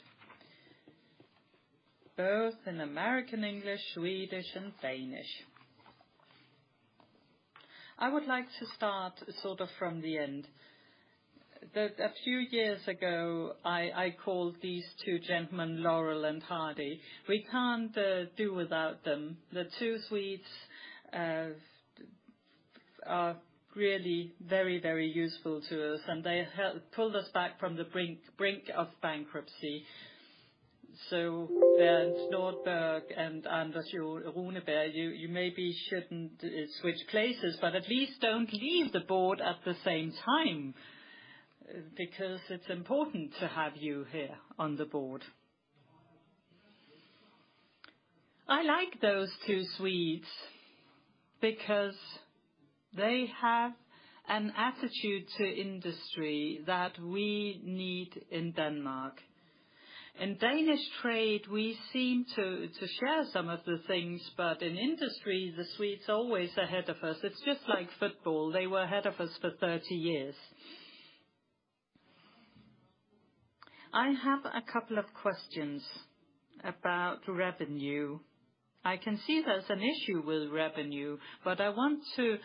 both in American English, Swedish, and Danish. I would like to start sort of from the end. A few years ago, I called these two gentlemen Laurel and Hardy. We can't do without them. The two Swedes are really very, very useful to us, and they pulled us back from the brink of bankruptcy. Bert Nordberg and Anders Runevad, you maybe shouldn't switch places, but at least don't leave the Board at the same time. Because it's important to have you here on the Board. I like those two Swedes because they have an attitude to industry that we need in Denmark. In Danish trade, we seem to share some of the things, but in industry, the Swedes are always ahead of us. It's just like football. They were ahead of us for 30 years. I have a couple of questions about revenue. I can see there's an issue with revenue, but I want to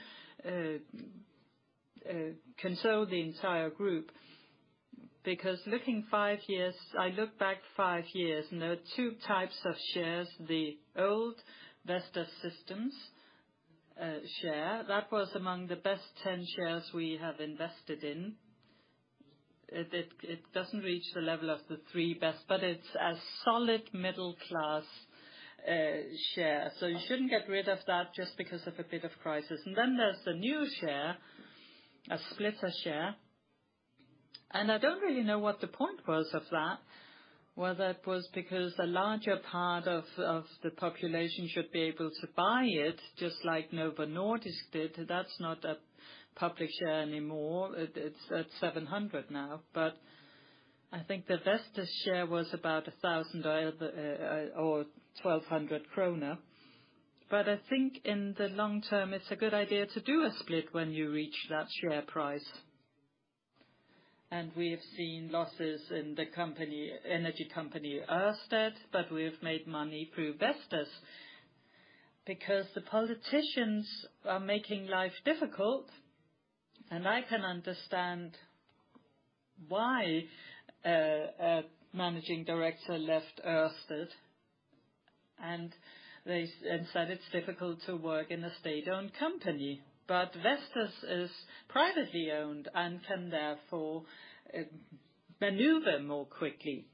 consult the entire group because looking five years. I look back five years, and there are two types of shares, the old Vestas systems share. That was among the best 10 shares we have invested in. It doesn't reach the level of the three best, but it's a solid middle-class share. You shouldn't get rid of that just because of a bit of crisis. There's the new share, a split share. I don't really know what the point was of that, whether it was because the larger part of the population should be able to buy it just like Novo Nordisk did. That's not a public share anymore. It's at 700 now, but I think the Vestas share was about 1,000 or 1,200 kroner. I think in the long term, it's a good idea to do a split when you reach that share price. We have seen losses in the energy company Ørsted, but we have made money through Vestas. Because the politicians are making life difficult, and I can understand why a managing director left Ørsted and said it's difficult to work in a state-owned company. Vestas is privately owned and can therefore maneuver more quickly.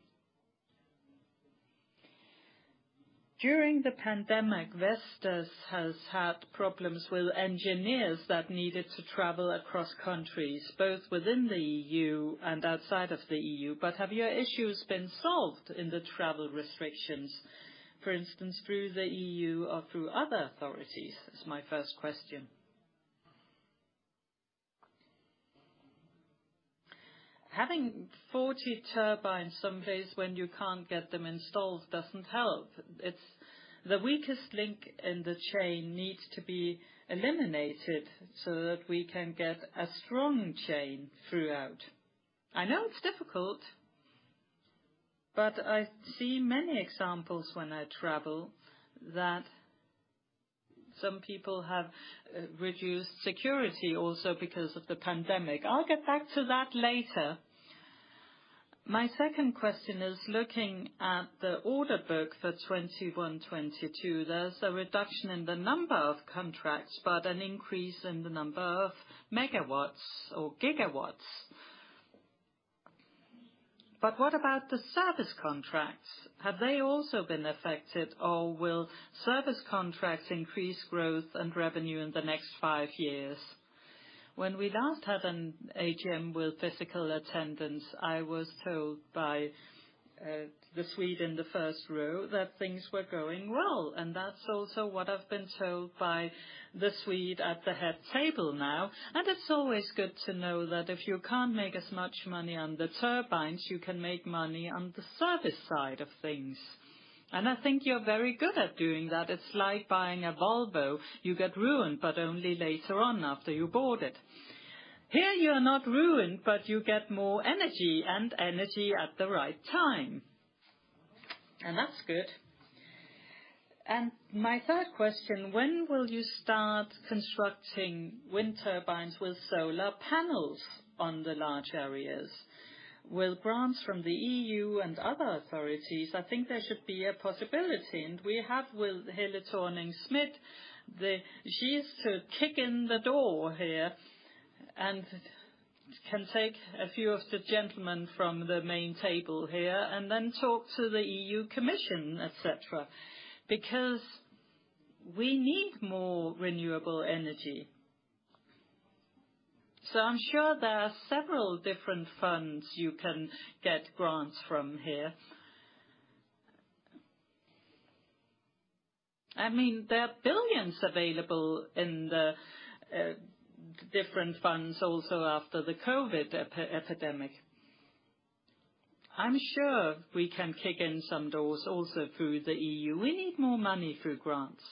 During the pandemic, Vestas has had problems with engineers that needed to travel across countries, both within the EU and outside of the EU. Have your issues been solved in the travel restrictions, for instance, through the EU or through other authorities? Is my first question. Having 40 turbines someplace when you can't get them installed doesn't help. It's the weakest link in the chain needs to be eliminated so that we can get a strong chain throughout. I know it's difficult, but I see many examples when I travel that some people have reduced security also because of the pandemic. I'll get back to that later. My second question is looking at the order book for 2021, 2022. There's a reduction in the number of contracts, but an increase in the number of megawatts or gigawatts. What about the service contracts? Have they also been affected, or will service contracts increase growth and revenue in the next five years? When we last had an AGM with physical attendance, I was told by the Swede in the first row that things were going well, and that's also what I've been told by the Swede at the head table now. It's always good to know that if you can't make as much money on the turbines, you can make money on the service side of things. I think you're very good at doing that. It's like buying a Volvo. You get ruined, but only later on after you bought it. Here, you're not ruined, but you get more energy and energy at the right time. That's good. My third question, when will you start constructing wind turbines with solar panels on the large areas? With grants from the EU and other authorities, I think there should be a possibility. We have with Helle Thorning-Schmidt, the. She used to kick in the door here and can take a few of the gentlemen from the main table here and then talk to the European Commission, etc., because we need more renewable energy. I'm sure there are several different funds you can get grants from here. I mean, there are billions available in the different funds also after the COVID epidemic. I'm sure we can kick in some doors also through the EU. We need more money through grants.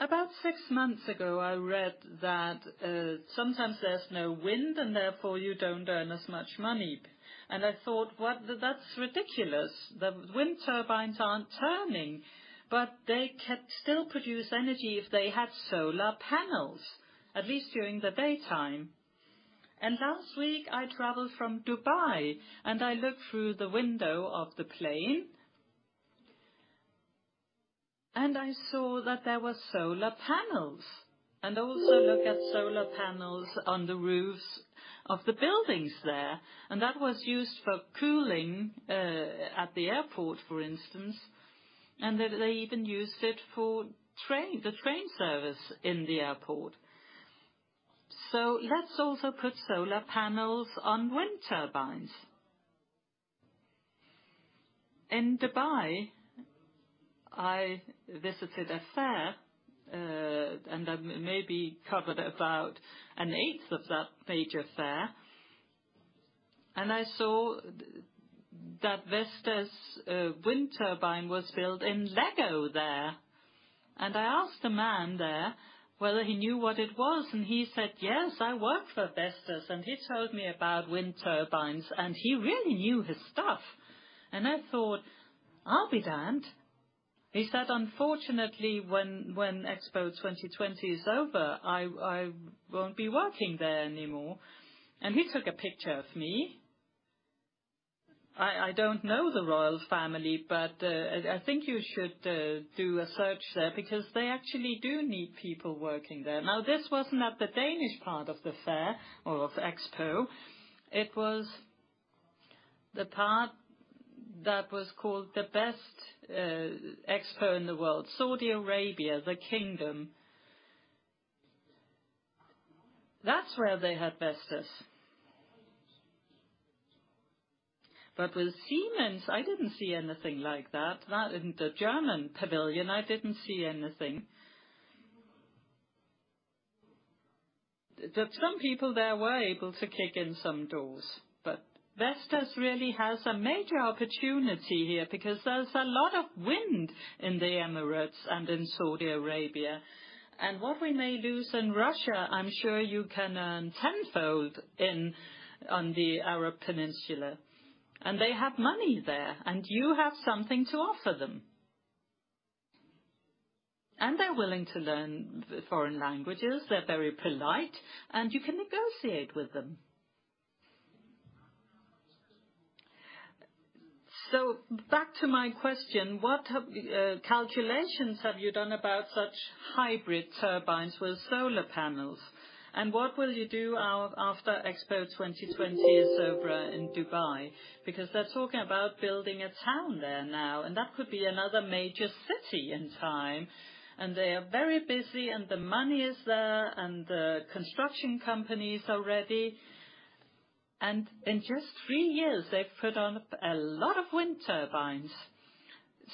About six months ago, I read that sometimes there's no wind, and therefore you don't earn as much money. I thought, "What? That's ridiculous. The wind turbines aren't turning, but they can still produce energy if they had solar panels, at least during the daytime." Last week, I traveled from Dubai, and I looked through the window of the plane, and I saw that there were solar panels, and I also looked at solar panels on the roofs of the buildings there. That was used for cooling at the airport, for instance. They even used it for the train service in the airport. Let's also put solar panels on wind turbines. In Dubai, I visited a fair, and I maybe covered about 1/8 of that major fair, and I saw that Vestas wind turbine was built in Lego there. I asked the man there whether he knew what it was, and he said, "Yes, I work for Vestas." He told me about wind turbines, and he really knew his stuff. I thought, I'll be damned. He said, "Unfortunately, when Expo 2020 is over, I won't be working there anymore." He took a picture of me. I don't know the royal family, but I think you should do a search there because they actually do need people working there. Now, this was not the Danish part of the fair or of Expo. It was the part that was called the best expo in the world, Saudi Arabia, the kingdom. That's where they had Vestas. With Siemens, I didn't see anything like that. Not in the German pavilion, I didn't see anything. Some people there were able to kick in some doors. Vestas really has a major opportunity here because there's a lot of wind in the Emirates and in Saudi Arabia. What we may lose in Russia, I'm sure you can earn tenfold in, on the Arab Peninsula. They have money there, and you have something to offer them. They're willing to learn foreign languages. They're very polite, and you can negotiate with them. Back to my question, what calculations have you done about such hybrid turbines with solar panels? What will you do after Expo 2020 is over in Dubai? Because they're talking about building a town there now, and that could be another major city in time. They are very busy, and the money is there, and the construction companies are ready. In just three years, they've put on a lot of wind turbines.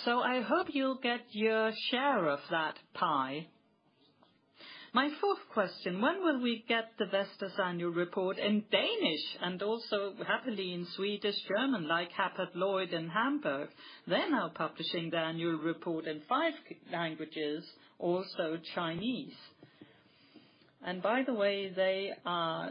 I hope you'll get your share of that pie. My fourth question, when will we get the Vestas annual report in Danish and also happily in Swedish, German, like Hapag-Lloyd in Hamburg? They're now publishing their annual report in five languages, also Chinese. By the way, they are,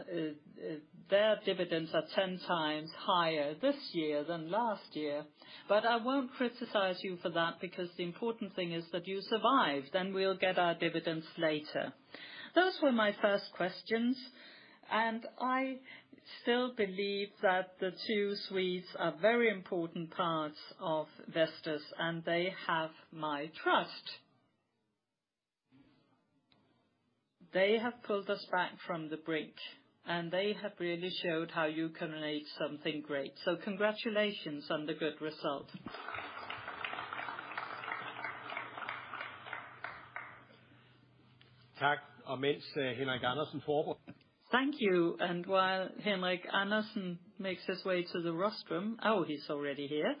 their dividends are 10x higher this year than last year. I won't criticize you for that because the important thing is that you survive, then we'll get our dividends later. Those were my first questions, and I still believe that the two Swedes are very important parts of Vestas, and they have my trust. They have pulled us back from the brink, and they have really showed how you can make something great. Congratulations on the good result. Thank you. While Henrik Andersen makes his way to the rostrum. Oh, he's already here.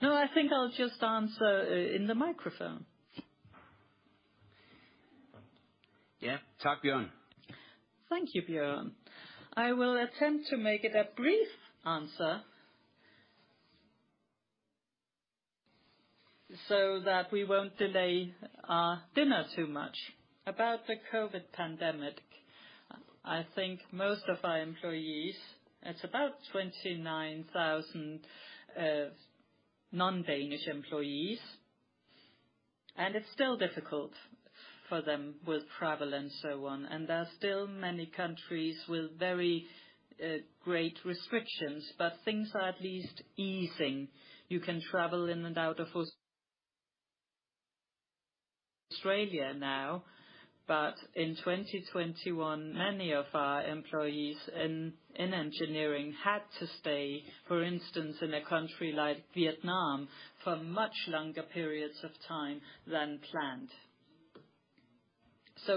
No, I think I'll just answer in the microphone. Yeah. Thank you, Björn. I will attempt to make it a brief answer so that we won't delay our dinner too much. About the COVID pandemic, I think most of our employees, it's about 29,000 non-Danish employees, and it's still difficult for them with travel and so on. There are still many countries with very great restrictions, but things are at least easing. You can travel in and out of Australia now. In 2021, many of our employees in engineering had to stay, for instance, in a country like Vietnam for much longer periods of time than planned.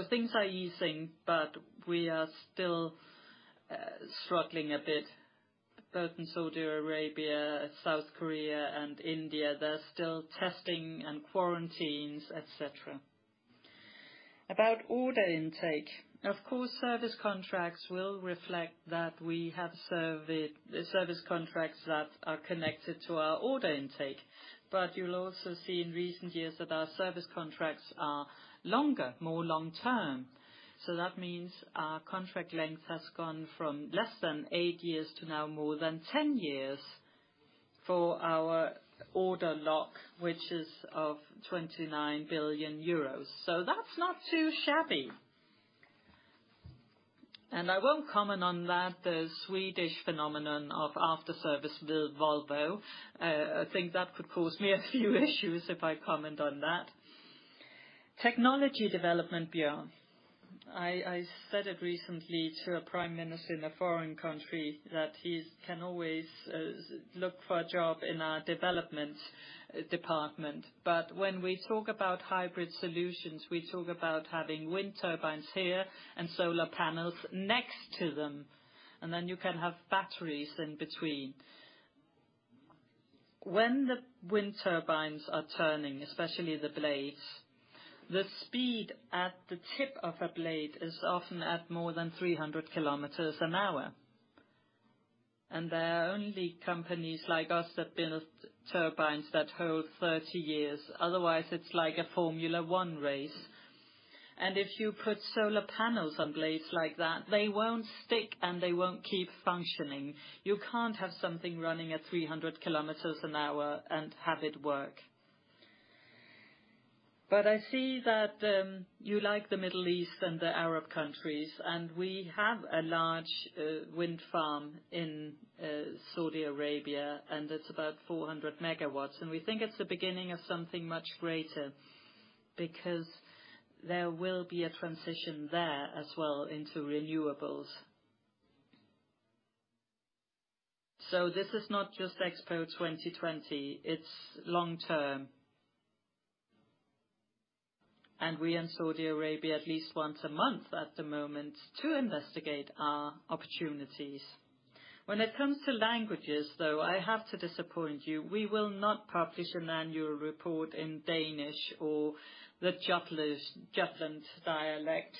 Things are easing, but we are still struggling a bit, both in Saudi Arabia, South Korea and India. There's still testing and quarantines, etc. About order intake. Of course, service contracts will reflect that we have service contracts that are connected to our order intake. You'll also see in recent years that our service contracts are longer, more long-term. That means our contract length has gone from less than eight years to now more than 10 years for our order backlog, which is 29 billion euros. That's not too shabby. I won't comment on that, the Swedish phenomenon of after service with Volvo. I think that could cause me a few issues if I comment on that. Technology development beyond. I said it recently to a prime minister in a foreign country, that he can always seek a job in our development department. When we talk about hybrid solutions, we talk about having wind turbines here and solar panels next to them, and then you can have batteries in between. When the wind turbines are turning, especially the blades, the speed at the tip of a blade is often at more than 300 km/h. There are only companies like us that build turbines that hold 30 years, otherwise it's like a Formula One race. If you put solar panels on blades like that, they won't stick and they won't keep functioning. You can't have something running at 300 km/h and have it work. I see that, you like the Middle East and the Arab countries, and we have a large, wind farm in, Saudi Arabia, and it's about 400 MW. We think it's the beginning of something much greater because there will be a transition there as well into renewables. This is not just Expo 2020, it's long-term. We're in Saudi Arabia at least once a month at the moment to investigate our opportunities. When it comes to languages, though, I have to disappoint you. We will not publish an annual report in Danish or the Jutland dialect.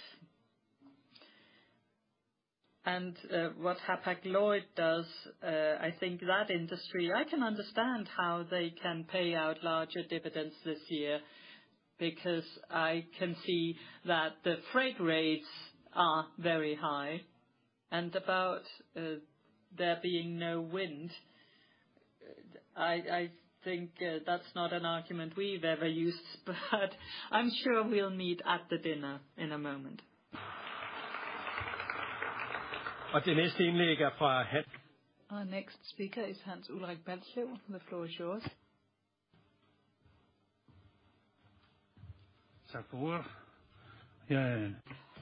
What Hapag-Lloyd does, I think that industry I can understand how they can pay out larger dividends this year, because I can see that the freight rates are very high. About there being no wind, I think that's not an argument we've ever used, but I'm sure we'll meet at the dinner in a moment. Our next speaker is Hans Ulrik Balslev. The floor is yours.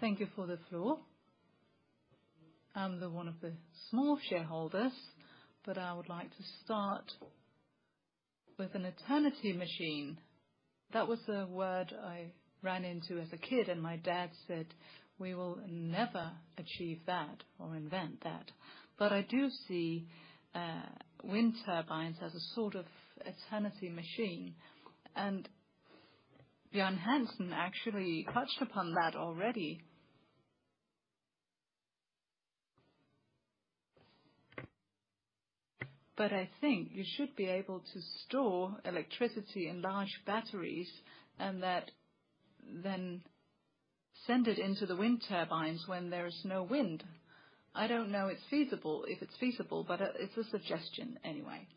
Thank you for the floor. I'm one of the small shareholders, but I would like to start with an eternity machine. That was a word I ran into as a kid, and my dad said, "We will never achieve that or invent that." I do see wind turbines as a sort of eternity machine. Bjørn Hansen actually touched upon that already. I think you should be able to store electricity in large batteries and that then send it into the wind turbines when there is no wind. I don't know it's feasible, if it's feasible, but it's a suggestion anyway.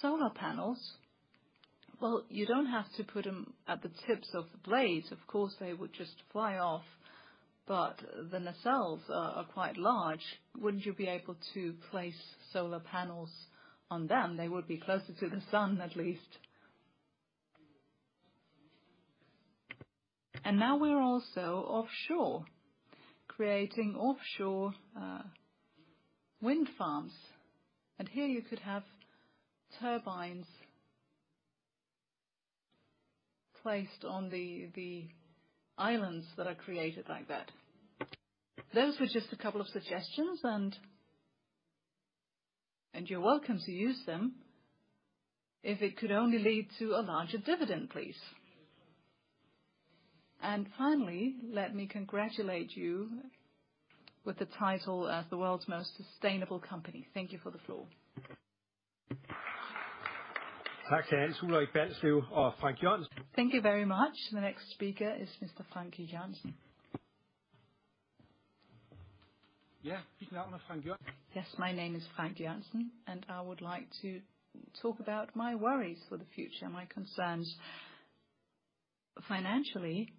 Solar panels, well, you don't have to put them at the tips of the blades. Of course, they would just fly off, but the nacelles are quite large. Wouldn't you be able to place solar panels on them? They would be closer to the sun, at least. Now we're also offshore, creating offshore wind farms. Here you could have turbines placed on the islands that are created like that. Those were just a couple of suggestions and you're welcome to use them if it could only lead to a larger dividend, please. Finally, let me congratulate you with the title as the world's most sustainable company. Thank you for the floor. Thank you very much. The next speaker is Mr. Frank Jørgensen. Yes, my name is Frank Jørgensen, and I would like to talk about my worries for the future, my concerns financially.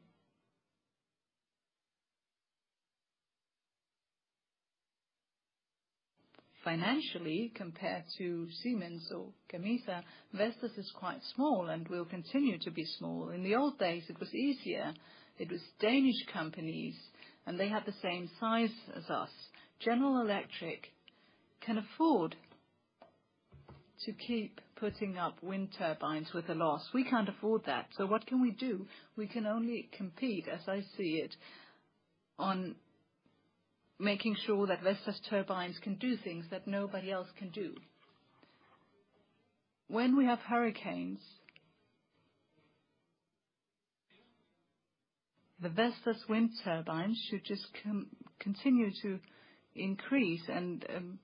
Financially, compared to Siemens Gamesa, Vestas is quite small and will continue to be small. In the old days, it was easier. It was Danish companies, and they had the same size as us. General Electric can afford to keep putting up wind turbines with a loss. We can't afford that, so what can we do? We can only compete, as I see it, on making sure that Vestas turbines can do things that nobody else can do. When we have hurricanes, the Vestas wind turbines should just continue to increase and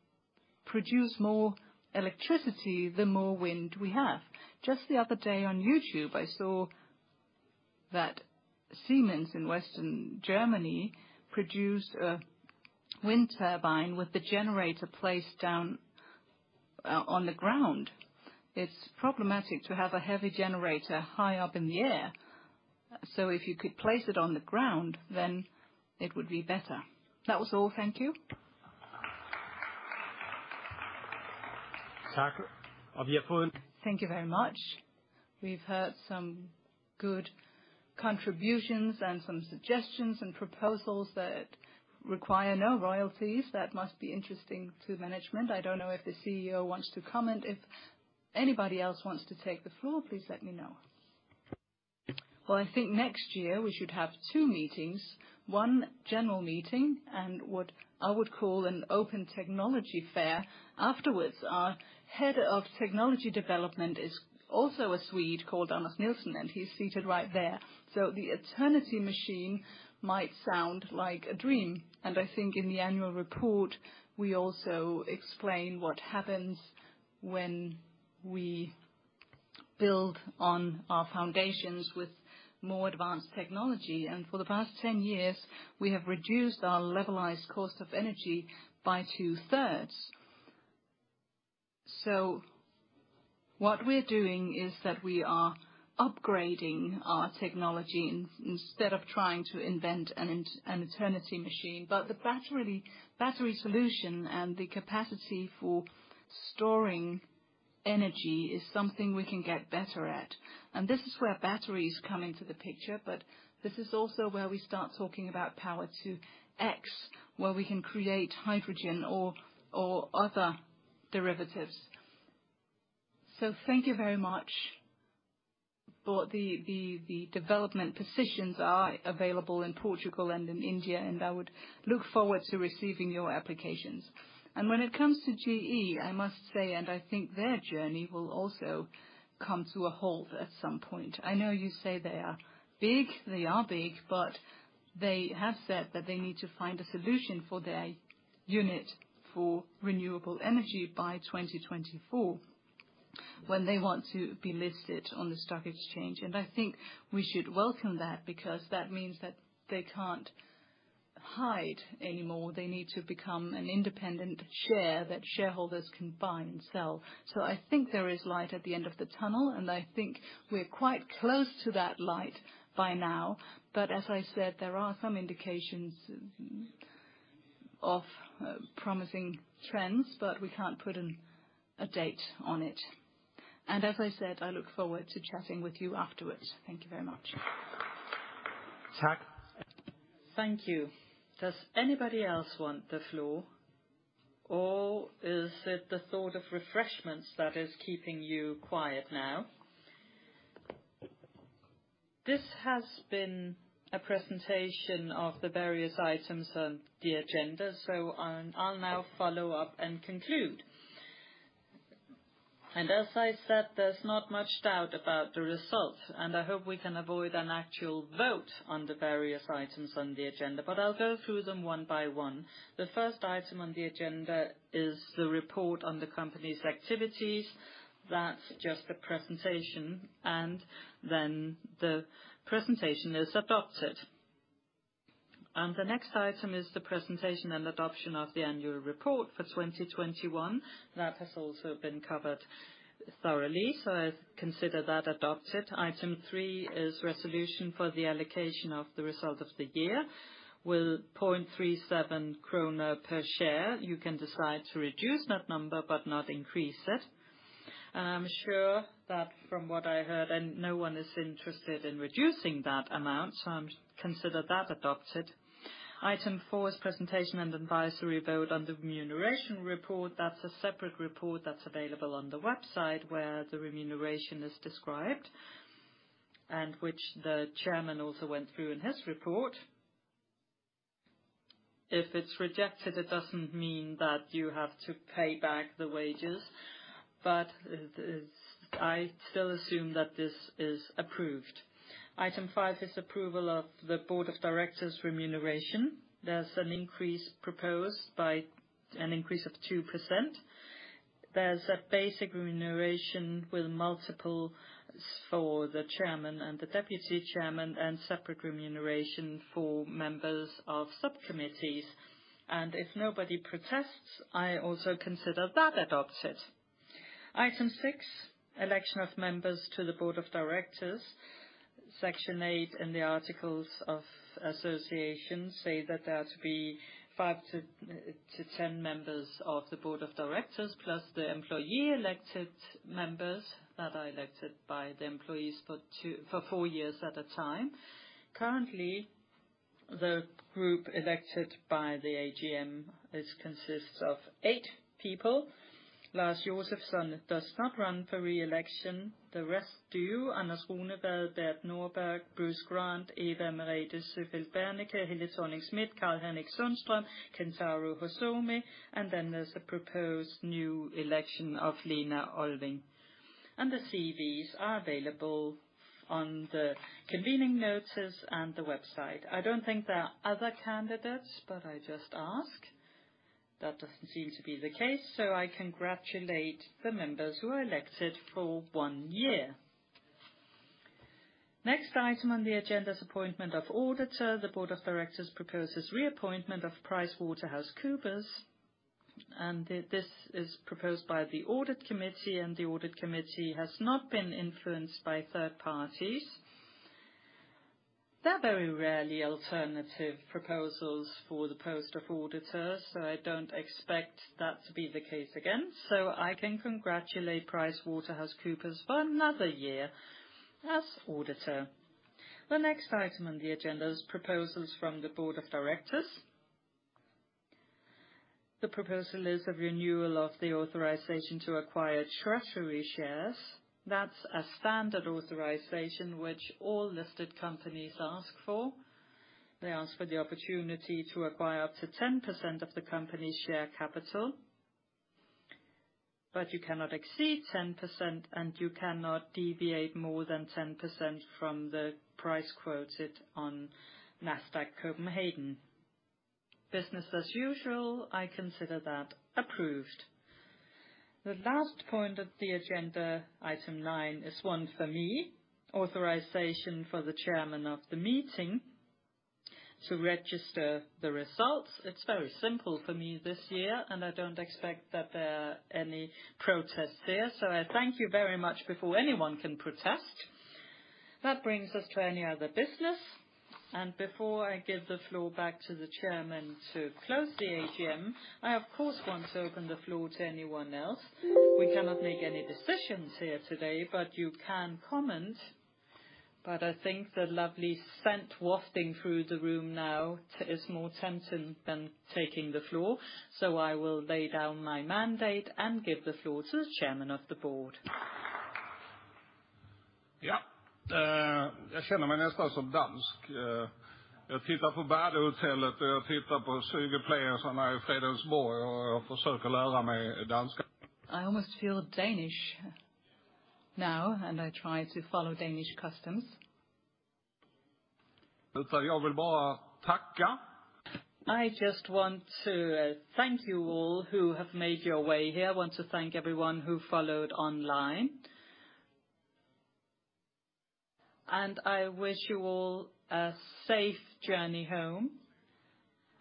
produce more electricity the more wind we have. Just the other day on YouTube, I saw that Siemens in western Germany produced a wind turbine with the generator placed down. On the ground. It's problematic to have a heavy generator high up in the air. If you could place it on the ground, then it would be better. That was all. Thank you. Thank you very much. We've heard some good contributions and some suggestions and proposals that require no royalties. That must be interesting to management. I don't know if the CEO wants to comment. If anybody else wants to take the floor, please let me know. Well, I think next year we should have two meetings, one general meeting and what I would call an open technology fair. Afterwards, our Head of Technology Development is also a Swede called Anders Nielsen, and he's seated right there. The eternity machine might sound like a dream, and I think in the annual report we also explain what happens when we build on our foundations with more advanced technology. For the past 10 years, we have reduced our Levelized Cost of Energy by 2/3. What we're doing is that we are upgrading our technology instead of trying to invent an eternity machine. The battery solution and the capacity for storing energy is something we can get better at. This is where batteries come into the picture. This is also where we start talking about Power-to-X, where we can create hydrogen or other derivatives. Thank you very much. The development positions are available in Portugal and in India, and I would look forward to receiving your applications. When it comes to GE, I must say, and I think their journey will also come to a halt at some point. I know you say they are big, but they have said that they need to find a solution for their unit for renewable energy by 2024 when they want to be listed on the stock exchange. I think we should welcome that because that means that they can't hide anymore. They need to become an independent share that shareholders can buy and sell. I think there is light at the end of the tunnel, and I think we're quite close to that light by now. As I said, there are some indications of promising trends, but we can't put a date on it. As I said, I look forward to chatting with you afterwards. Thank you very much. Thank you. Does anybody else want the floor or is it the thought of refreshments that is keeping you quiet now? This has been a presentation of the various items on the agenda. I'll now follow up and conclude. As I said, there's not much doubt about the results, and I hope we can avoid an actual vote on the various items on the agenda, but I'll go through them one by one. The first item on the agenda is the report on the company's activities. That's just a presentation and then the presentation is adopted. The next item is the presentation and adoption of the annual report for 2021. That has also been covered thoroughly. I consider that adopted. Item three is resolution for the allocation of the result of the year with 0.37 krone per share. You can decide to reduce that number but not increase it. I'm sure that from what I heard, and no one is interested in reducing that amount, so I consider that adopted. Item four is presentation and advisory vote on the remuneration report. That's a separate report that's available on the website where the remuneration is described and which the chairman also went through in his report. If it's rejected, it doesn't mean that you have to pay back the wages, but it is. I still assume that this is approved. Item five is approval of the Board of Directors remuneration. There's an increase proposed by an increase of 2%. There's a basic remuneration with multiples for the chairman and the deputy chairman, and separate remuneration for members of subcommittees. If nobody protests, I also consider that adopted. Item six, election of members to the Board of Directors. Section eight in the articles of association say that there are to be 5-10 members of the Board of Directors, plus the employee elected members that are elected by the employees for four years at a time. Currently, the group elected by the AGM is consists of eight people. Lars Josefsson does not run for re-election. The rest do. Anders Runevad, Bert Nordberg, Bruce Grant, Eva Merete Søfelde Berneke, Helle Thorning-Schmidt, Karl-Henrik Sundström, Kentaro Hosomi, and then there's a proposed new election of Lena Olving. The CVs are available on the convening notes and the website. I don't think there are other candidates, but I just ask. That doesn't seem to be the case, so I congratulate the members who are elected for one year. Next item on the agenda is appointment of auditor. The Board of Directors proposes reappointment of PricewaterhouseCoopers, and this is proposed by the Audit Committee, and the Audit Committee has not been influenced by third parties. There are very rarely alternative proposals for the post of auditors, so I don't expect that to be the case again. I can congratulate PricewaterhouseCoopers for another year as auditor. The next item on the agenda is proposals from the Board of Directors. The proposal is a renewal of the authorization to acquire treasury shares. That's a standard authorization which all listed companies ask for. They ask for the opportunity to acquire up to 10% of the company's share capital. But you cannot exceed 10%, and you cannot deviate more than 10% from the price quoted on Nasdaq Copenhagen. Business as usual, I consider that approved. The last point of the agenda, item nine, is one for me, authorization for the chairman of the meeting to register the results. It's very simple for me this year, and I don't expect that there are any protests there. I thank you very much before anyone can protest. That brings us to any other business. Before I give the floor back to the Chairman to close the AGM, I of course want to open the floor to anyone else. We cannot make any decisions here today, but you can comment. I think the lovely scent wafting through the room now is more tempting than taking the floor. I will lay down my mandate and give the floor to the Chairman of the Board. Yeah. I almost feel Danish now, and I try to follow Danish customs. I just want to thank you all who have made your way here. I want to thank everyone who followed online. I wish you all a safe journey home,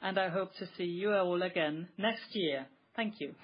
and I hope to see you all again next year. Thank you.